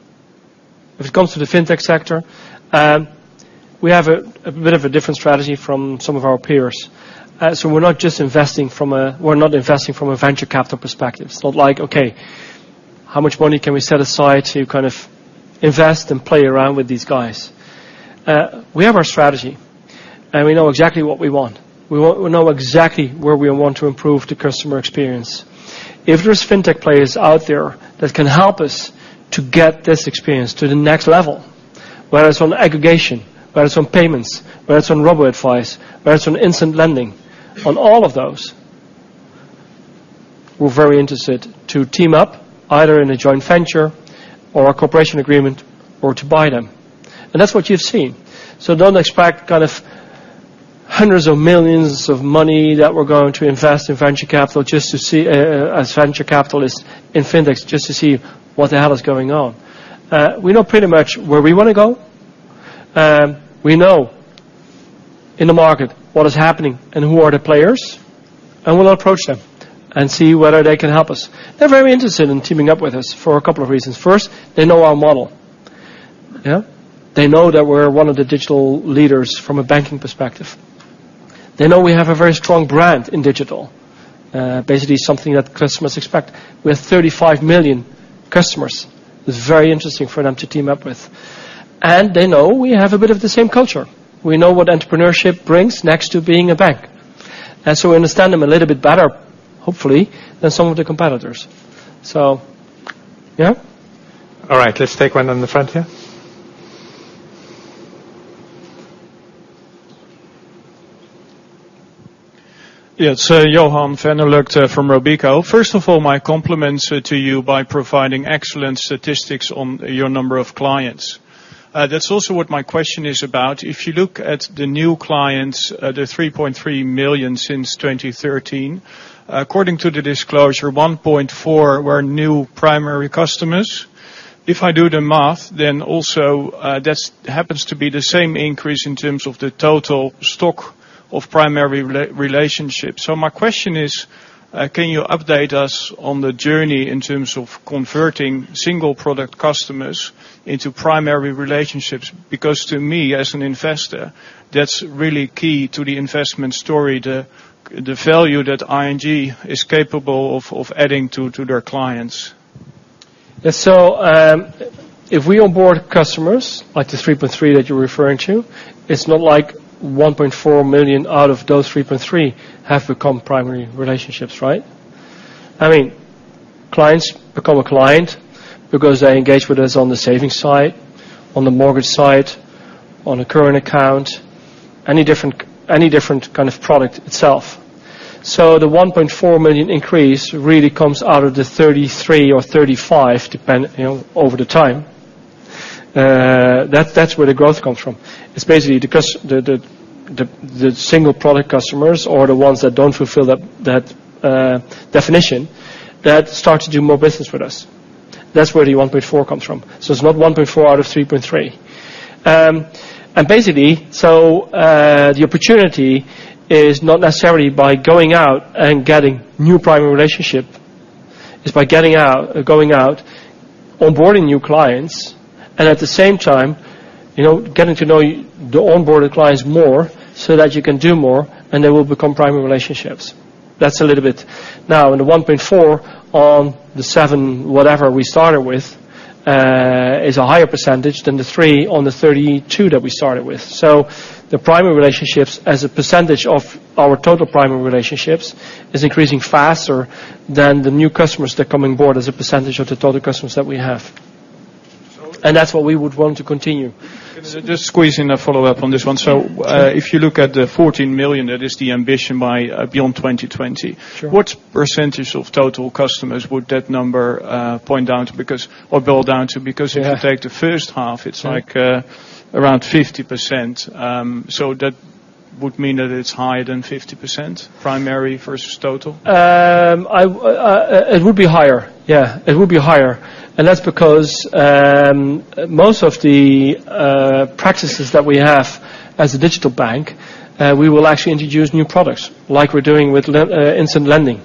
we have a bit of a different strategy from some of our peers. We're not just investing from a venture capital perspective. It's not like, okay, how much money can we set aside to invest and play around with these guys? We have our strategy, and we know exactly what we want. We know exactly where we want to improve the customer experience. If there's fintech players out there that can help us to get this experience to the next level, whether it's on aggregation, whether it's on payments, whether it's on robo-advice, whether it's on instant lending. On all of those, we're very interested to team up, either in a joint venture or a cooperation agreement or to buy them. That's what you've seen. Don't expect hundreds of millions of money that we're going to invest in venture capital as venture capitalists in fintechs just to see what the hell is going on. We know pretty much where we want to go. We know in the market what is happening and who are the players, we'll approach them and see whether they can help us. They're very interested in teaming up with us for a couple of reasons. First, they know our model. Yeah. They know that we're one of the digital leaders from a banking perspective. They know we have a very strong brand in digital. Basically something that customers expect. We have 35 million customers. It's very interesting for them to team up with. They know we have a bit of the same culture. We know what entrepreneurship brings next to being a bank. We understand them a little bit better, hopefully, than some of the competitors. Yeah. All right. Let's take one in the front here. Yes. Johan van der Lugt from Robeco. First of all, my compliments to you by providing excellent statistics on your number of clients. That's also what my question is about. If you look at the new clients, the 3.3 million since 2013. According to the disclosure, 1.4 were new primary customers. If I do the math, that happens to be the same increase in terms of the total stock of primary relationships. My question is, can you update us on the journey in terms of converting single-product customers into primary relationships? Because to me, as an investor, that's really key to the investment story, the value that ING is capable of adding to their clients. If we onboard customers, like the 3.3 that you're referring to, it's not like 1.4 million out of those 3.3 have become primary relationships, right? Clients become a client because they engage with us on the savings side, on the mortgage side, on a current account, any different kind of product itself. The 1.4 million increase really comes out of the 33 or 35 depend over the time. That's where the growth comes from. It's basically the single-product customers or the ones that don't fulfill that definition that start to do more business with us. That's where the 1.4 comes from. It's not 1.4 out of 3.3. The opportunity is not necessarily by going out and getting new primary relationship. It's by going out, onboarding new clients, and at the same time, getting to know the onboarded clients more so that you can do more, and they will become primary relationships. That's a little bit. Now, in the 1.4 on the seven whatever we started with, is a higher percentage than the three on the 32 that we started with. The primary relationships as a percentage of our total primary relationships is increasing faster than the new customers that come onboard as a percentage of the total customers that we have. That's what we would want to continue. Just squeeze in a follow-up on this one. If you look at the 14 million, that is the ambition beyond 2020. Sure. What percentage of total customers would that number boil down to? If you take the first half, it's like around 50%. That Would mean that it's higher than 50%, primary versus total? It would be higher, yeah. It would be higher. That's because most of the practices that we have as a digital bank, we will actually introduce new products, like we're doing with instant lending,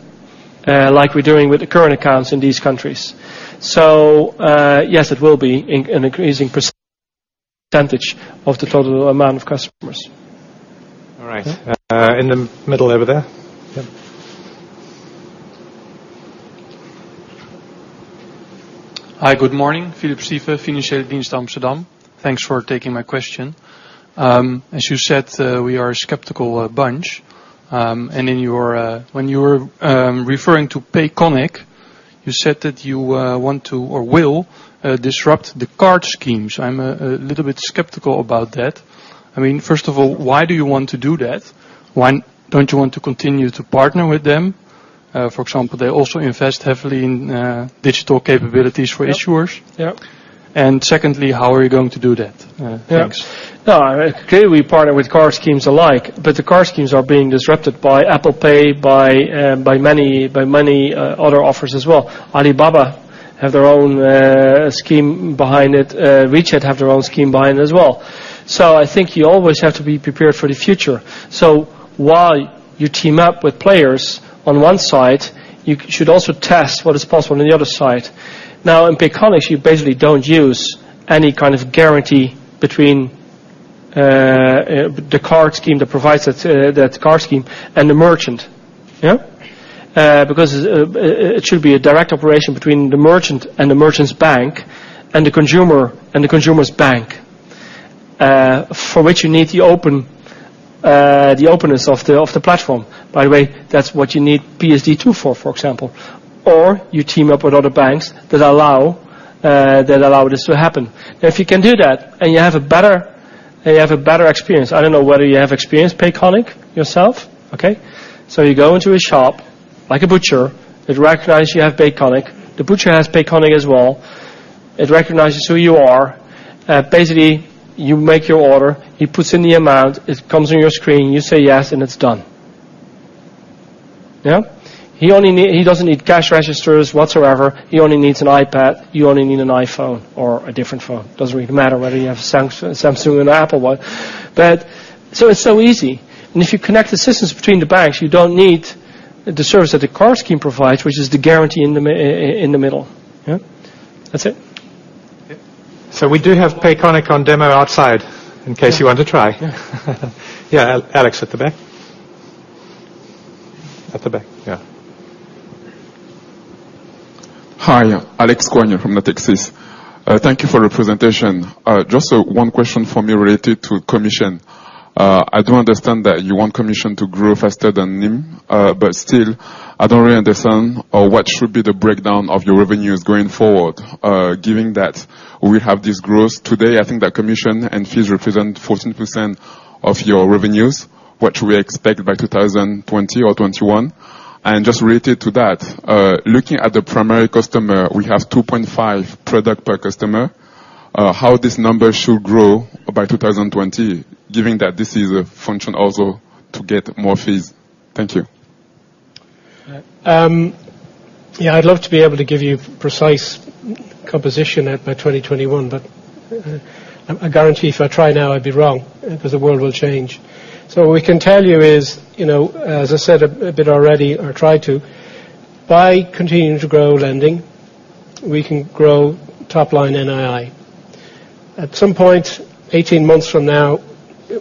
like we're doing with the current accounts in these countries. Yes, it will be an increasing percentage of the total amount of customers. All right. In the middle over there. Yeah. Hi. Good morning. Philip Siefers, Financiële Dienst Amsterdam. Thanks for taking my question. As you said, we are a skeptical bunch. When you were referring to Payconiq, you said that you want to, or will, disrupt the card schemes. I'm a little bit skeptical about that. First of all, why do you want to do that? Why don't you want to continue to partner with them? For example, they also invest heavily in digital capabilities for issuers. Yep. Secondly, how are you going to do that? Yeah. Thanks. No, clearly partner with card schemes alike, the card schemes are being disrupted by Apple Pay, by many other offers as well. Alibaba have their own scheme behind it. WeChat have their own scheme behind it as well. I think you always have to be prepared for the future. While you team up with players on one side, you should also test what is possible on the other side. In Payconiq, you basically don't use any kind of guarantee between the card scheme, the provider to that card scheme, and the merchant. Because it should be a direct operation between the merchant and the merchant's bank and the consumer and the consumer's bank, for which you need the openness of the platform. By the way, that's what you need PSD2 for example. Or you team up with other banks that allow this to happen. If you can do that and you have a better experience. I don't know whether you have experienced Payconiq yourself. Okay. You go into a shop, like a butcher, it recognizes you have Payconiq. The butcher has Payconiq as well. It recognizes who you are. Basically, you make your order, he puts in the amount, it comes on your screen, you say yes, it's done. He doesn't need cash registers whatsoever. He only needs an iPad. You only need an iPhone or a different phone. Doesn't really matter whether you have Samsung or an Apple one. It's so easy, if you connect the systems between the banks, you don't need the service that the card scheme provides, which is the guarantee in the middle. That's it. We do have Payconiq on demo outside in case you want to try. Yeah. Alex at the back. At the back. Yeah. Hi. Alex Gouagne from Natixis. Thank you for the presentation. Just one question for me related to commission. I do understand that you want commission to grow faster than NIM, I don't really understand what should be the breakdown of your revenues going forward, given that we have this growth. Today, I think that commission and fees represent 14% of your revenues. What should we expect by 2020 or 2021? Just related to that, looking at the primary customer, we have 2.5 product per customer. How this number should grow by 2020, given that this is a function also to get more fees? Thank you. Yeah. I'd love to be able to give you precise composition by 2021, I guarantee if I try now, I'd be wrong because the world will change. What we can tell you is, as I said a bit already or tried to, by continuing to grow lending, we can grow top line NII. At some point, 18 months from now,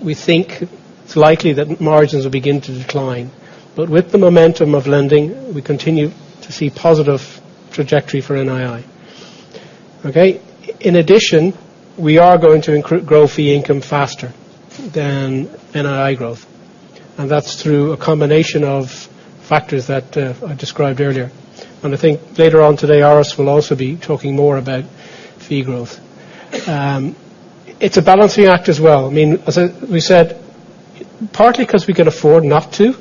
we think it's likely that margins will begin to decline. With the momentum of lending, we continue to see positive trajectory for NII. Okay? In addition, we are going to grow fee income faster than NII growth, and that's through a combination of factors that I described earlier. I think later on today, Aris will also be talking more about fee growth. It's a balancing act as well. As we said, partly because we can afford not to,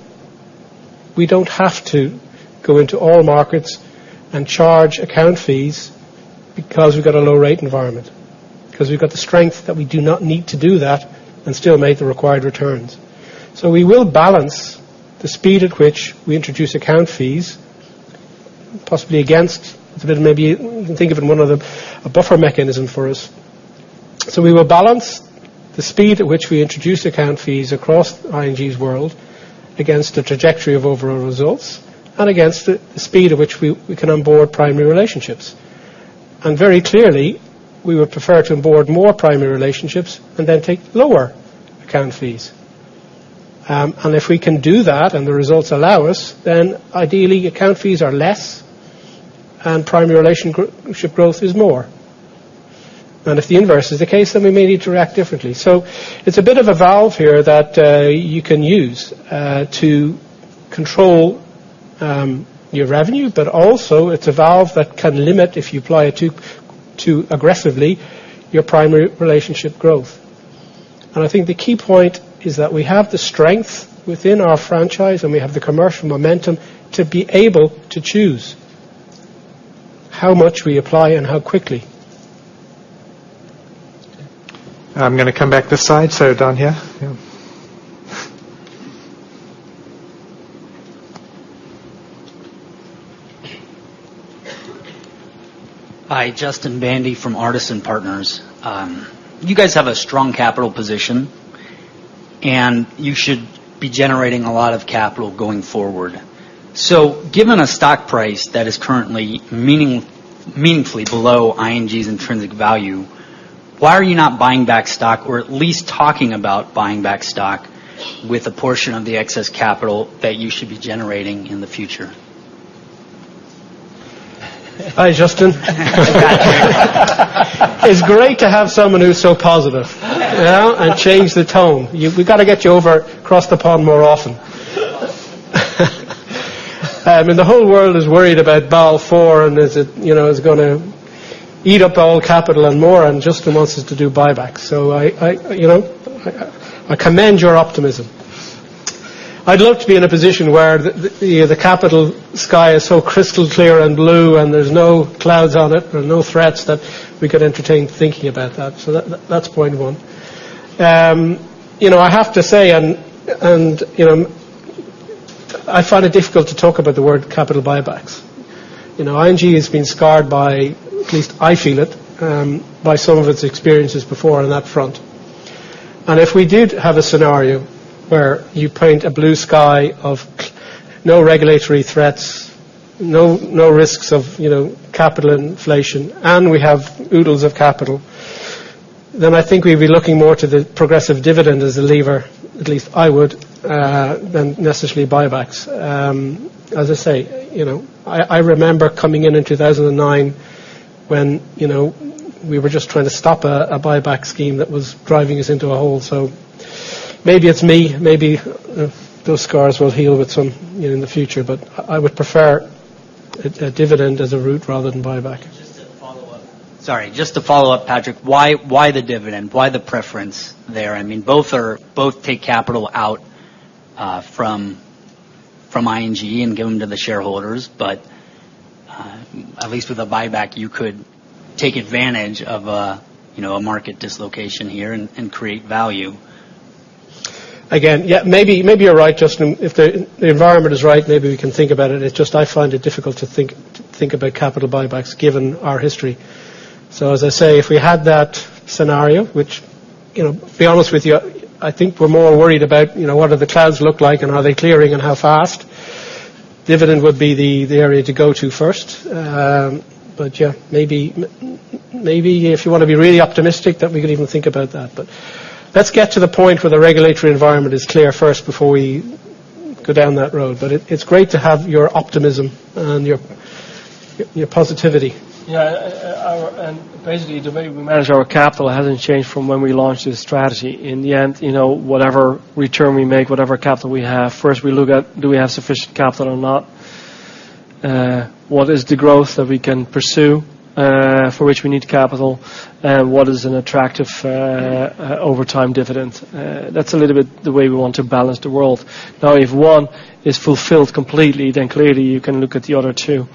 we don't have to go into all markets and charge account fees because we've got a low rate environment, because we've got the strength that we do not need to do that and still make the required returns. We will balance the speed at which we introduce account fees, possibly against It's a bit, maybe you can think of it a buffer mechanism for us. We will balance the speed at which we introduce account fees across ING's world against the trajectory of overall results and against the speed at which we can onboard primary relationships. Very clearly, we would prefer to onboard more primary relationships and then take lower account fees. If we can do that and the results allow us, then ideally, account fees are less and primary relationship growth is more. If the inverse is the case, then we may need to react differently. It's a bit of a valve here that you can use to control your revenue, but also it's a valve that can limit, if you apply it too aggressively, your primary relationship growth. I think the key point is that we have the strength within our franchise, and we have the commercial momentum to be able to choose how much we apply and how quickly. I'm going to come back this side, down here. Yeah. Hi, Justin Bandy from Artisan Partners. You guys have a strong capital position, and you should be generating a lot of capital going forward. Given a stock price that is currently meaningfully below ING's intrinsic value, why are you not buying back stock or at least talking about buying back stock with a portion of the excess capital that you should be generating in the future? Hi, Justin. It's great to have someone who's so positive and change the tone. We've got to get you over across the pond more often. The whole world is worried about Basel IV and is it going to eat up all capital and more, and Justin wants us to do buybacks. I commend your optimism. I'd love to be in a position where the capital sky is so crystal clear and blue and there's no clouds on it. There are no threats that we could entertain thinking about that. That's point one. I have to say, I find it difficult to talk about the word capital buybacks. ING has been scarred by, at least I feel it, by some of its experiences before on that front. If we did have a scenario where you paint a blue sky of no regulatory threats, no risks of capital inflation, and we have oodles of capital, I think we'd be looking more to the progressive dividend as a lever, at least I would, than necessarily buybacks. As I say, I remember coming in in 2009 when we were just trying to stop a buyback scheme that was driving us into a hole. Maybe it's me, maybe those scars will heal in the future, but I would prefer a dividend as a route rather than buyback. Just to follow up. Sorry, just to follow up, Patrick, why the dividend? Why the preference there? Both take capital out from ING and give them to the shareholders, but at least with a buyback, you could take advantage of a market dislocation here and create value. Again, maybe you're right, Justin. If the environment is right, maybe we can think about it. It's just I find it difficult to think about capital buybacks given our history. As I say, if we had that scenario, which, to be honest with you, I think we're more worried about what do the clouds look like and are they clearing and how fast? Dividend would be the area to go to first. Yeah, maybe if you want to be really optimistic that we could even think about that. Let's get to the point where the regulatory environment is clear first before we go down that road. It's great to have your optimism and your positivity. Yeah, basically, the way we manage our capital hasn't changed from when we launched this strategy. In the end, whatever return we make, whatever capital we have, first we look at, do we have sufficient capital or not? What is the growth that we can pursue for which we need capital? What is an attractive over-time dividend? That's a little bit the way we want to balance the world. Now, if one is fulfilled completely, clearly you can look at the other two,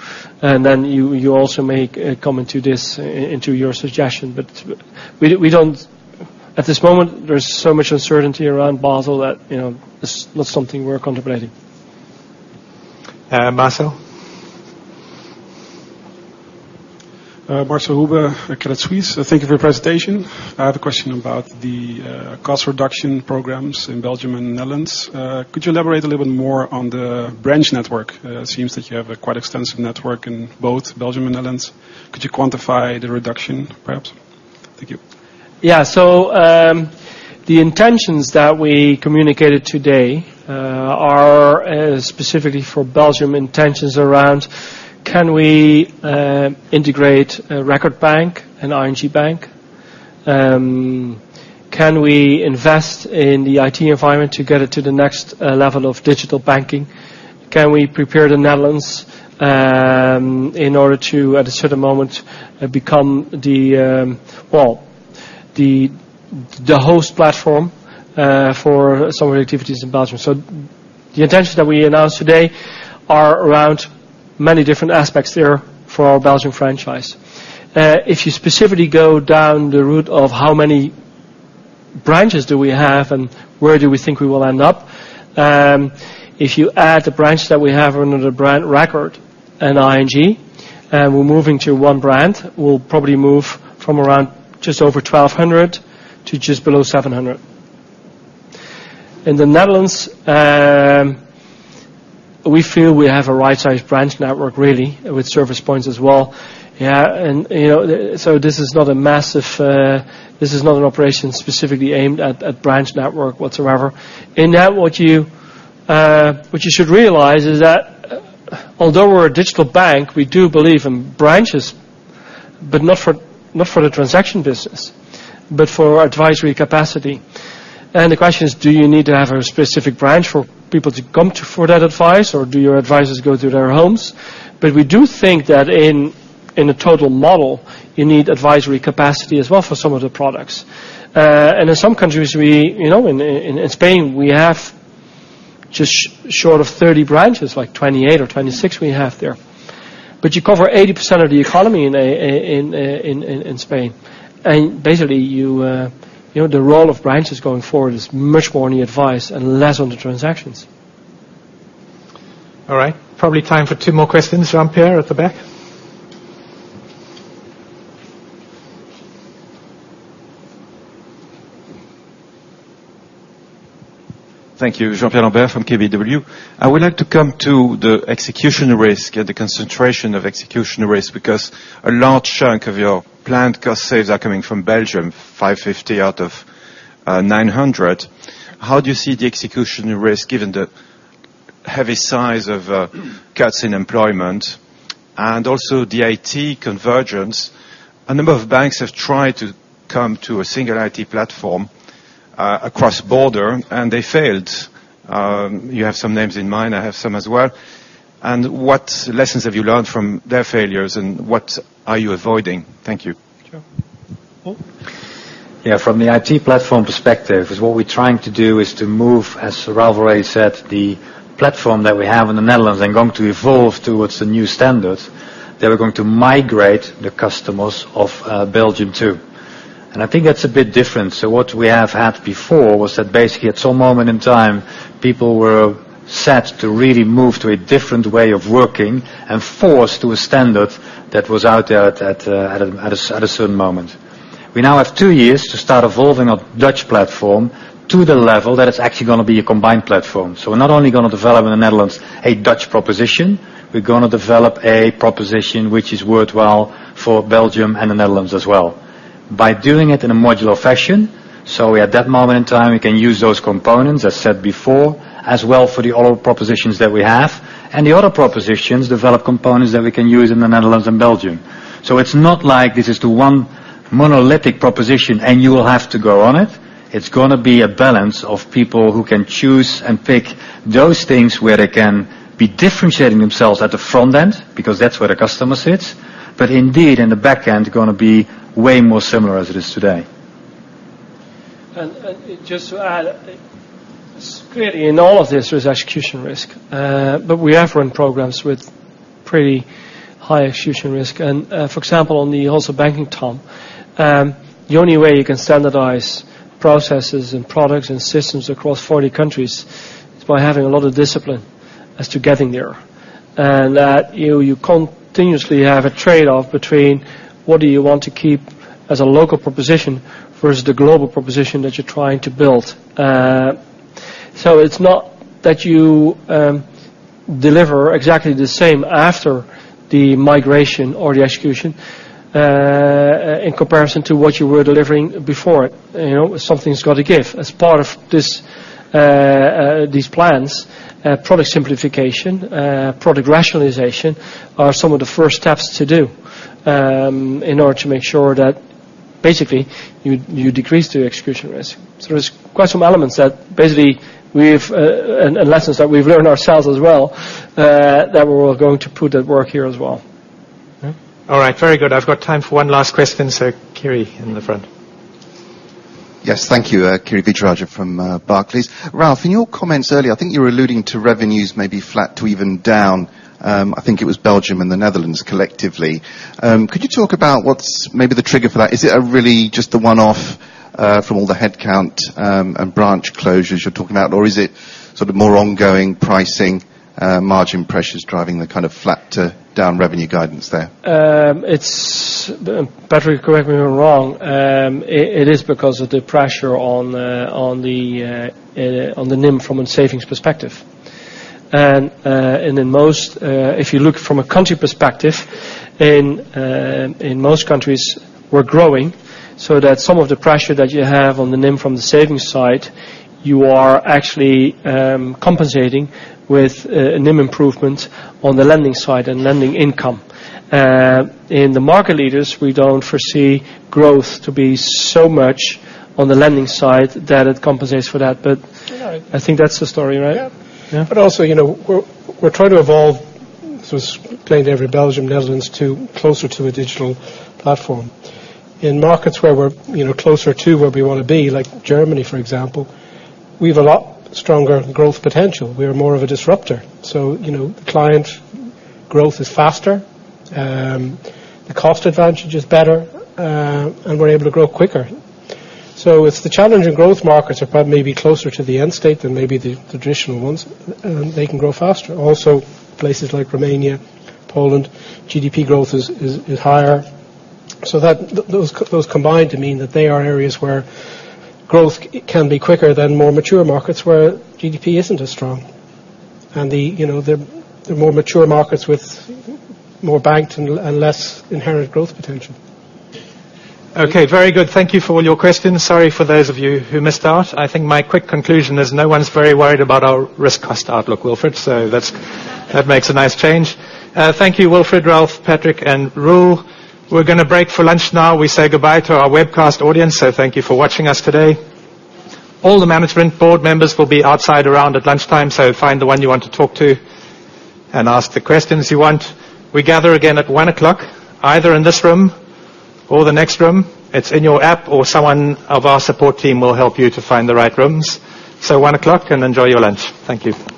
and you also may come into your suggestion. At this moment, there's so much uncertainty around Basel that it's not something we're contemplating. Marcel. Marcel Huber, Credit Suisse. Thank you for your presentation. I have a question about the cost reduction programs in Belgium and the Netherlands. Could you elaborate a little bit more on the branch network? It seems that you have a quite extensive network in both Belgium and the Netherlands. Could you quantify the reduction, perhaps? Thank you. Yeah. The intentions that we communicated today are specifically for Belgium intentions around can we integrate Record Bank and ING Bank? Can we invest in the IT environment to get it to the next level of digital banking? Can we prepare the Netherlands in order to, at a certain moment, become the host platform for some of the activities in Belgium? The intentions that we announced today are around many different aspects there for our Belgium franchise. If you specifically go down the route of how many branches do we have and where do we think we will end up? If you add the branches that we have under the brand Record and ING, we're moving to one brand. We'll probably move from around just over 1,200 to just below 700. In the Netherlands, we feel we have a right-sized branch network, really, with service points as well. This is not an operation specifically aimed at branch network whatsoever. In that, what you should realize is that although we're a digital bank, we do believe in branches, but not for the transaction business, but for our advisory capacity. The question is, do you need to have a specific branch for people to come for that advice, or do your advisors go to their homes? We do think that in a total model, you need advisory capacity as well for some of the products. In some countries, in Spain, we have Just short of 30 branches, like 28 or 26 we have there. You cover 80% of the economy in Spain. Basically, the role of branches going forward is much more on the advice and less on the transactions. All right. Probably time for two more questions. Jean-Pierre at the back. Thank you. Jean-Pierre Lambert from KBW. I would like to come to the execution risk and the concentration of execution risk, because a large chunk of your planned cost saves are coming from Belgium, 550 out of 900. How do you see the execution risk given the heavy size of cuts in employment and also the IT convergence? A number of banks have tried to come to a single IT platform across border, they failed. You have some names in mind. I have some as well. What lessons have you learned from their failures, and what are you avoiding? Thank you. Sure. Roel? From the IT platform perspective is what we're trying to do is to move, as Ralph already said, the platform that we have in the Netherlands and going to evolve towards the new standard, that we're going to migrate the customers of Belgium too. I think that's a bit different. What we have had before was that basically at some moment in time, people were set to really move to a different way of working and forced to a standard that was out there at a certain moment. We now have two years to start evolving a Dutch platform to the level that it's actually going to be a combined platform. We're not only going to develop in the Netherlands a Dutch proposition, we're going to develop a proposition which is worthwhile for Belgium and the Netherlands as well. By doing it in a modular fashion, at that moment in time, we can use those components, as said before, as well for the other propositions that we have, the other propositions develop components that we can use in the Netherlands and Belgium. It's not like this is the one monolithic proposition and you will have to go on it. It's going to be a balance of people who can choose and pick those things where they can be differentiating themselves at the front end, because that's where the customer sits. Indeed, in the back end, going to be way more similar as it is today. Just to add, clearly in all of this, there's execution risk. We have run programs with pretty high execution risk. For example, on the Banking TOM, the only way you can standardize processes and products and systems across 40 countries is by having a lot of discipline as to getting there. That you continuously have a trade-off between what do you want to keep as a local proposition versus the global proposition that you're trying to build. It's not that you deliver exactly the same after the migration or the execution, in comparison to what you were delivering before. Something's got to give. As part of these plans, product simplification, product rationalization are some of the first steps to do in order to make sure that basically you decrease the execution risk. There's quite some elements that basically lessons that we've learned ourselves as well, that we're going to put at work here as well. All right. Very good. I've got time for one last question. Kiri in the front. Yes. Thank you. Kiri Vijayarajah from Barclays. Ralph, in your comments earlier, I think you were alluding to revenues may be flat to even down. I think it was Belgium and the Netherlands collectively. Could you talk about what's maybe the trigger for that? Is it a really just a one-off from all the headcount and branch closures you're talking about? Or is it sort of more ongoing pricing, margin pressures driving the kind of flat to down revenue guidance there? Patrick, correct me if I'm wrong. It is because of the pressure on the NIM from a savings perspective. If you look from a country perspective, in most countries we're growing, so that some of the pressure that you have on the NIM from the savings side, you are actually compensating with NIM improvement on the lending side and lending income. In the market leaders, we don't foresee growth to be so much on the lending side that it compensates for that. Right I think that's the story, right? Yeah. Yeah. Also, we're trying to evolve, as was explained to Belgium and Netherlands to closer to a digital platform. In markets where we're closer to where we want to be, like Germany, for example, we've a lot stronger growth potential. We are more of a disruptor. Client growth is faster, the cost advantage is better, and we're able to grow quicker. It's the challenging growth markets are probably maybe closer to the end state than maybe the traditional ones. They can grow faster. Places like Romania, Poland, GDP growth is higher. Those combine to mean that they are areas where growth can be quicker than more mature markets where GDP isn't as strong. They're more mature markets with more banked and less inherent growth potential. Okay. Very good. Thank you for all your questions. Sorry for those of you who missed out. I think my quick conclusion is no one's very worried about our risk cost outlook, Wilfred. That makes a nice change. Thank you, Wilfred, Ralph, Patrick, and Roel. We're going to break for lunch now. We say goodbye to our webcast audience, thank you for watching us today. All the management board members will be outside around at lunchtime, find the one you want to talk to and ask the questions you want. We gather again at 1:00 P.M., either in this room or the next room. It's in your app or someone of our support team will help you to find the right rooms. 1:00 P.M., and enjoy your lunch. Thank you.